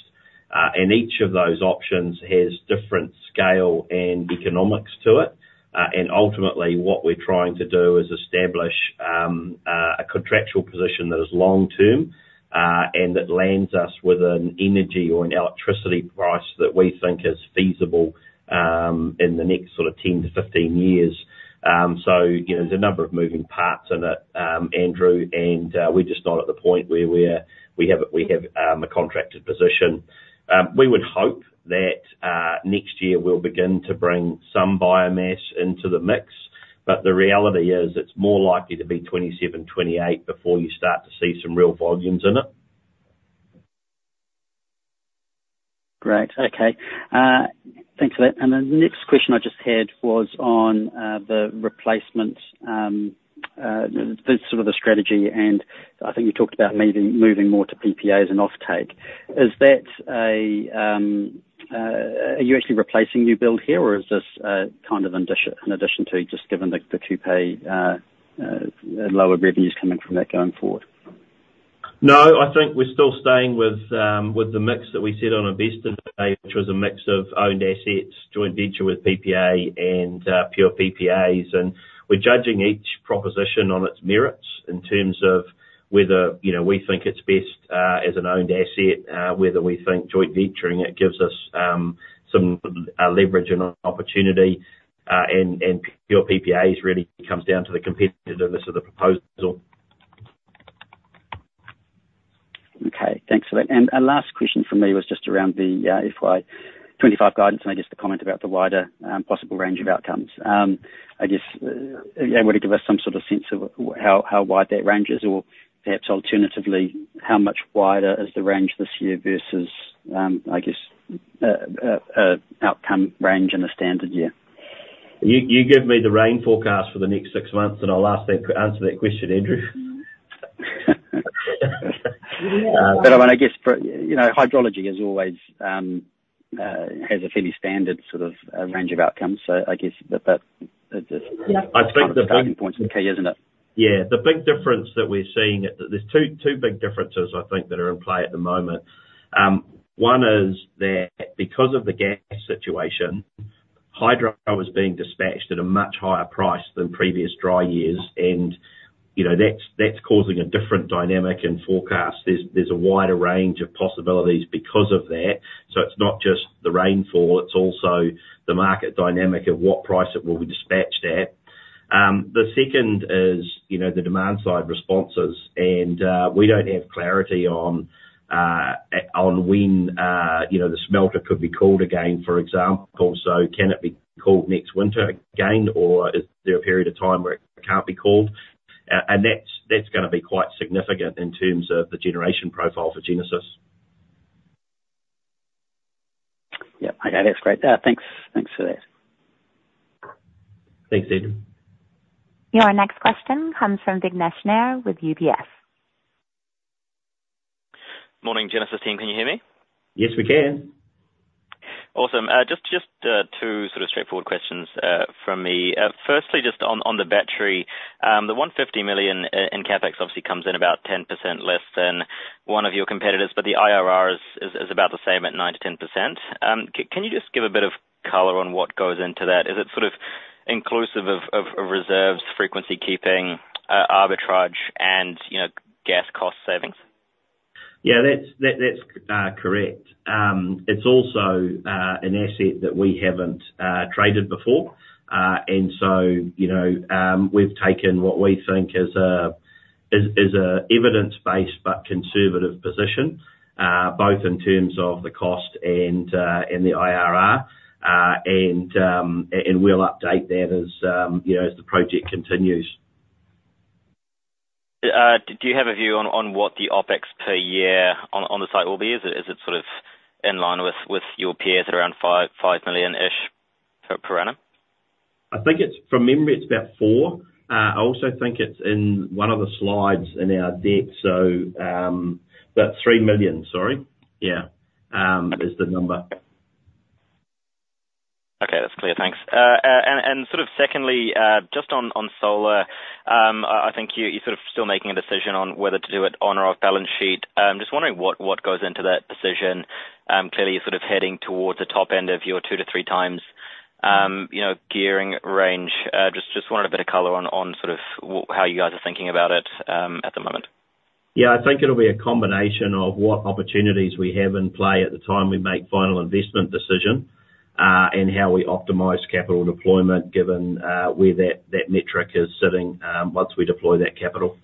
And each of those options has different scale and economics to it. And ultimately, what we're trying to do is establish a contractual position that is long term, and that lands us with an energy or an electricity price that we think is feasible in the next sort of 10-15 years. You know, there's a number of moving parts in it, Andrew, and we're just not at the point where we have a contracted position. We would hope that next year we'll begin to bring some biomass into the mix, but the reality is, it's more likely to be 2027, 2028 before you start to see some real volumes in it. Great. Okay. Thanks for that. And the next question I just had was on the replacement, the sort of strategy, and I think you talked about maybe moving more to PPAs and offtake. Is that a, are you actually replacing new build here, or is this kind of in addition to just given the Kupe lower revenues coming from that going forward? No, I think we're still staying with, with the mix that we set on Investor Day, which was a mix of owned assets, joint venture with PPA and, pure PPAs. And we're judging each proposition on its merits in terms of whether, you know, we think it's best, as an owned asset, whether we think joint venturing, it gives us, some, leverage and opportunity, and pure PPAs really comes down to the competitiveness of the proposal. Okay, thanks for that. And a last question from me was just around the FY25 guidance, and just to comment about the wider possible range of outcomes. I guess, yeah, would it give us some sort of sense of how wide that range is? Or perhaps alternatively, how much wider is the range this year versus, I guess, a outcome range in a standard year? You give me the rain forecast for the next six months, and I'll answer that question, Andrew. But I mean, I guess for, you know, hydrology is always has a fairly standard sort of range of outcomes. So I guess that, that is- I think the big- Starting point is key, isn't it? Yeah. The big difference that we're seeing, there's two, two big differences I think that are in play at the moment. One is that because of the gas situation, hydro is being dispatched at a much higher price than previous dry years, and, you know, that's, that's causing a different dynamic and forecast. There's, there's a wider range of possibilities because of that. So it's not just the rainfall, it's also the market dynamic of what price it will be dispatched at. The second is, you know, the demand-side responses, and, we don't have clarity on, on when, you know, the smelter could be called again, for example. So can it be called next winter again, or is there a period of time where it can't be called? And that's, that's gonna be quite significant in terms of the generation profile for Genesis. Yep. Okay, that's great. Thanks, thanks for that. Thanks, Andrew. Your next question comes from Vignesh Nair with UBS. Morning, Genesis team, can you hear me? Yes, we can. Awesome. Just two sort of straightforward questions from me. Firstly, just on the battery. The 150 million in CapEx obviously comes in about 10% less than one of your competitors, but the IRR is about the same at 9%-10%. Can you just give a bit of color on what goes into that? Is it sort of inclusive of reserves, frequency keeping, arbitrage, and, you know, gas cost savings? Yeah, that's correct. It's also an asset that we haven't traded before. And so, you know, we've taken what we think is a evidence-based but conservative position, both in terms of the cost and the IRR. And we'll update that as, you know, as the project continues. Do you have a view on what the OpEx per year on the site will be? Is it sort of in line with your peers at around five million-ish per annum? I think it's, from memory, it's about four. I also think it's in one of the slides in our deck, so about three million, sorry. Yeah, is the number. Okay, that's clear. Thanks, and sort of secondly, just on solar, I think you're sort of still making a decision on whether to do it on or off balance sheet. Just wondering what goes into that decision. Clearly you're sort of heading towards the top end of your two to three times, you know, gearing range. Just wanted a bit of color on sort of how you guys are thinking about it at the moment. Yeah, I think it'll be a combination of what opportunities we have in play at the time we make final investment decision, and how we optimize capital deployment, given where that metric is sitting, once we deploy that capital.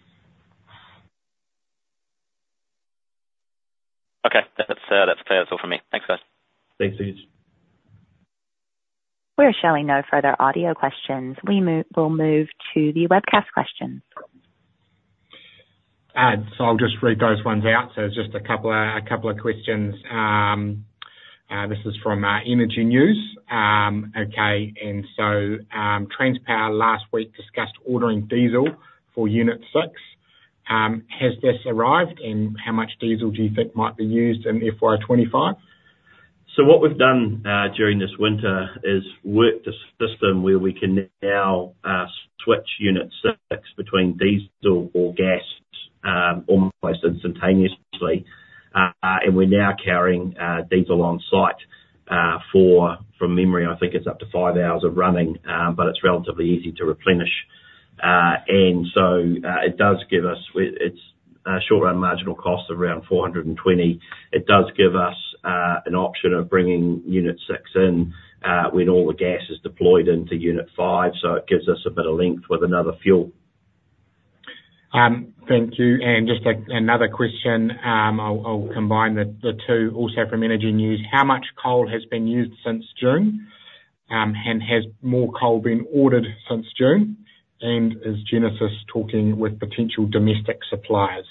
Okay. That's, that's clear. That's all for me. Thanks, guys. Thanks, Vignesh. We're showing no further audio questions. We'll move to the webcast questions. So I'll just read those ones out. So just a couple of questions. This is from Energy News. Okay, and so Transpower last week discussed ordering diesel for Unit 6. Has this arrived, and how much diesel do you think might be used in FY25? So what we've done during this winter is work the system where we can now switch Unit 6 between diesel or gas almost instantaneously. And we're now carrying diesel on site for from memory I think it's up to five hours of running but it's relatively easy to replenish. And so it does give us. It's short-run marginal cost around 420. It does give us an option of bringing Unit 6 in when all the gas is deployed into Unit 5. So it gives us a bit of length with another fuel. Thank you. And just another question. I'll combine the two, also from Energy News. How much coal has been used since June? And has more coal been ordered since June? And is Genesis talking with potential domestic suppliers?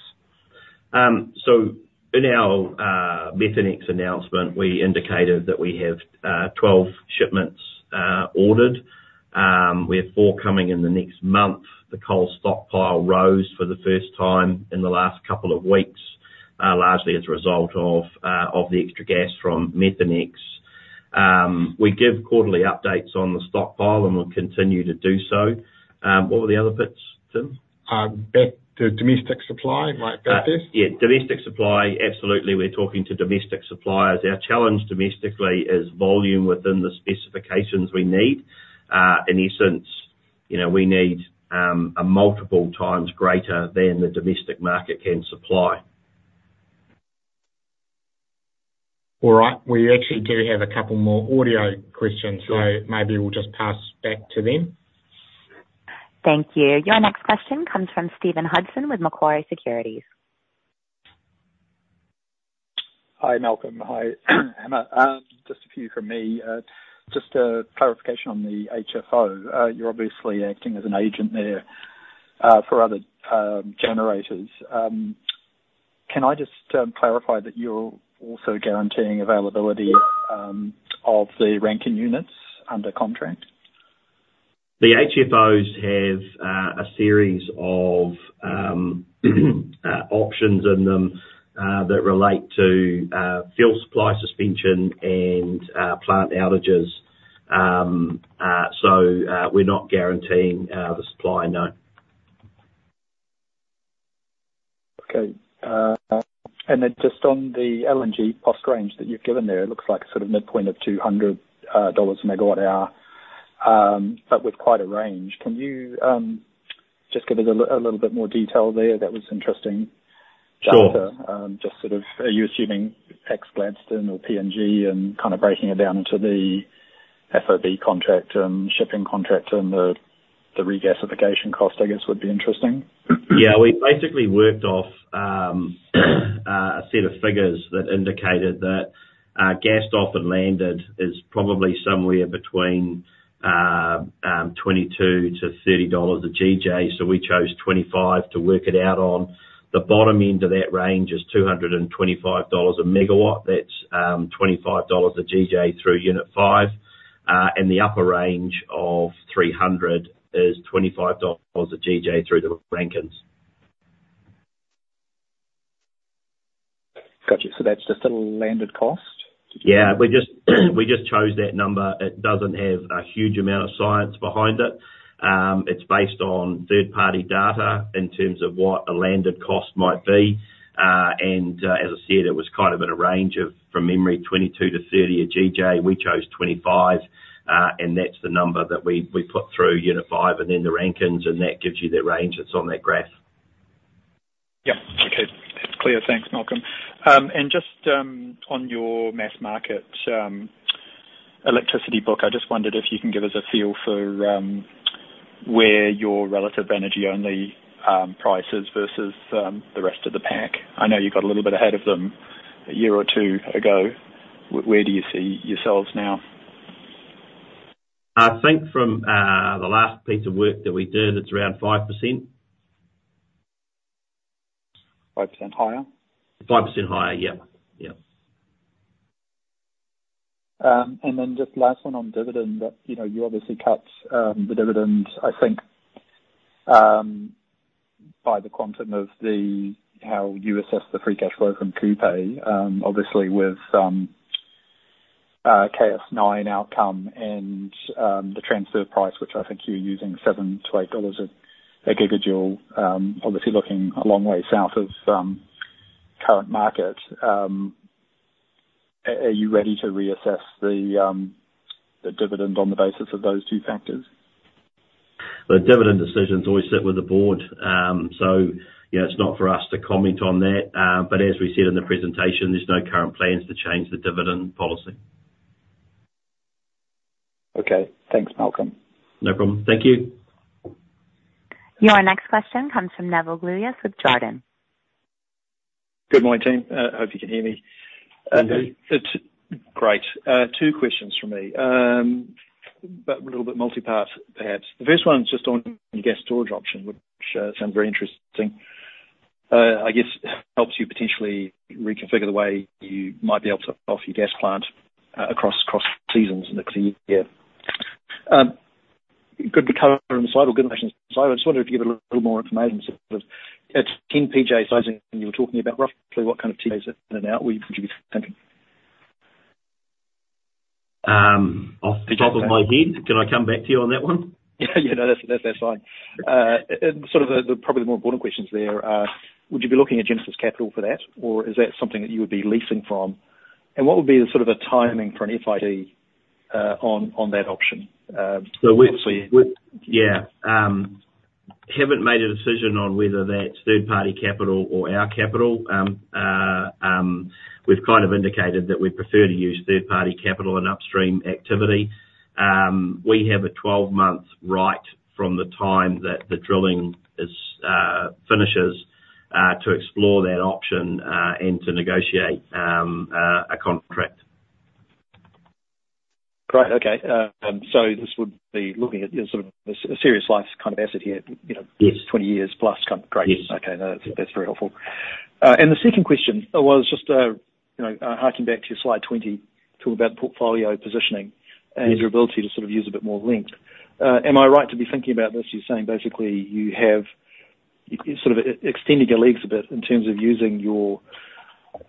So in our Methanex announcement, we indicated that we have 12 shipments ordered. We have four coming in the next month. The coal stockpile rose for the first time in the last couple of weeks, largely as a result of the extra gas from Methanex. We give quarterly updates on the stockpile, and we'll continue to do so. What were the other bits, Tim? Back to domestic supply, like that first? Yeah, domestic supply, absolutely, we're talking to domestic suppliers. Our challenge domestically is volume within the specifications we need. In essence, you know, we need a multiple times greater than the domestic market can supply. All right. We actually do have a couple more audio questions, so maybe we'll just pass back to them. Thank you. Your next question comes from Stephen Hudson with Macquarie Securities. Hi, Malcolm. Hi, Emma. Just a few from me. Just a clarification on the HFO. You're obviously acting as an agent there, for other generators. Can I just clarify that you're also guaranteeing availability of the Rankine units under contract? The HFOs have a series of options in them that relate to fuel supply suspension and plant outages. So we're not guaranteeing the supply, no. Okay. And then just on the LNG cost range that you've given there, it looks like sort of midpoint of 200 dollars a MWh, but with quite a range. Can you just give us a little bit more detail there? That was interesting. Sure. Just sort of, are you assuming ex-Gladstone or PNG and kind of breaking it down into the FOB contract and shipping contract and the regasification cost, I guess, would be interesting? Yeah, we basically worked off a set of figures that indicated that gas cost and landed is probably somewhere between 22-30 dollars a GJ, so we chose 25 to work it out on. The bottom end of that range is 225 dollars a megawatt. That's 25 dollars a GJ through Unit 5. And the upper range of 300 is 25 dollars a GJ through the Rankines. Got you. So that's just a landed cost? Yeah, we just chose that number. It doesn't have a huge amount of science behind it. It's based on third-party data in terms of what a landed cost might be, and as I said, it was kind of at a range of, from memory, 22-30 a GJ. We chose 25, and that's the number that we put through Unit 5, and then the Rankines, and that gives you the range that's on that graph. Yeah. Okay, that's clear. Thanks, Malcolm. And just on your mass market electricity book, I just wondered if you can give us a feel for where your relative energy-only price is versus the rest of the pack. I know you got a little bit ahead of them a year or two ago. Where do you see yourselves now? I think from the last piece of work that we did, it's around 5%. 5% higher? 5% higher, yeah. Yeah. And then just last one on dividend that, you know, you obviously cut the dividend, I think, by the quantum of the, how you assess the free cash flow from Kupe, obviously with the KS-9 outcome and the transfer price, which I think you're using 7-8 dollars a gigajoule, obviously looking a long way south of current market. Are you ready to reassess the dividend on the basis of those two factors? The dividend decisions always sit with the board, so yeah, it's not for us to comment on that. But as we said in the presentation, there's no current plans to change the dividend policy. Okay. Thanks, Malcolm. No problem. Thank you. Your next question comes from Nevill Gluyas with Jarden. Good morning, team. Hope you can hear me. We can. It's great. Two questions from me, but a little bit multi-part, perhaps. The first one is just on your gas storage option, which sounds very interesting. I guess helps you potentially reconfigure the way you might be able to offtake your gas plant across seasons in a dry year. Good recovery on the supply side or good relations on the supply side. I just wondered if you could give a little more information. It's 10 PJ sizing you were talking about, roughly what kind of PJs in and out would you be thinking? Off the top of my head, can I come back to you on that one? Yeah, that's fine. Sort of probably the more important questions there. Would you be looking at Genesis capital for that, or is that something that you would be leasing from? And what would be the sort of a timing for an FID on that option? So we're- Yeah. We, yeah, haven't made a decision on whether that's third-party capital or our capital. We've kind of indicated that we'd prefer to use third-party capital and upstream activity. We have a twelve-month right from the time that the drilling finishes to explore that option and to negotiate a contract. Great. Okay. So this would be looking at sort of a serious life kind of asset here, you know- Yes. 20 years+ kind of great. Yes. Okay, that's, that's very helpful. And the second question was just, you know, harking back to your slide 20, talk about portfolio positioning- Yes... and your ability to sort of use a bit more length. Am I right to be thinking about this? You're saying basically, you have sort of extended your legs a bit in terms of using your,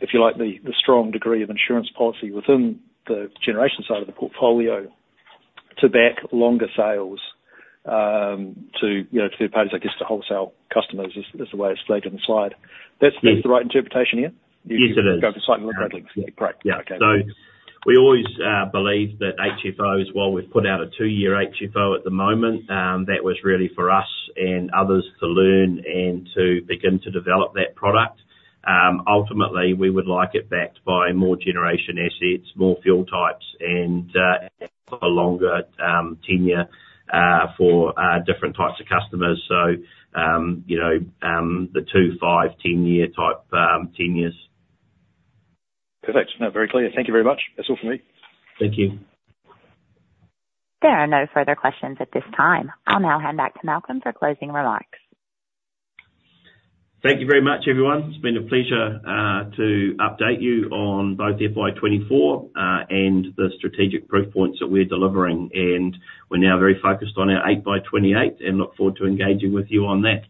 if you like, the strong degree of insurance policy within the generation side of the portfolio to back longer sales, to, you know, to third parties, I guess, to wholesale customers, is the way it's stated in the slide. Yes. That's the right interpretation here? Yes, it is. Wholesale and C&I. Yeah. Great, okay. Yeah. So we always believe that HFO, while we've put out a two-year HFO at the moment, that was really for us and others to learn and to begin to develop that product. Ultimately, we would like it backed by more generation assets, more fuel types, and a longer tenure for different types of customers. So, you know, the two, five, ten-year type tenures. Perfect. No, very clear. Thank you very much. That's all for me. Thank you. There are no further questions at this time. I'll now hand back to Malcolm for closing remarks. Thank you very much, everyone. It's been a pleasure to update you on both the FY24 and the strategic proof points that we're delivering, and we're now very focused on our FY28 and look forward to engaging with you on that.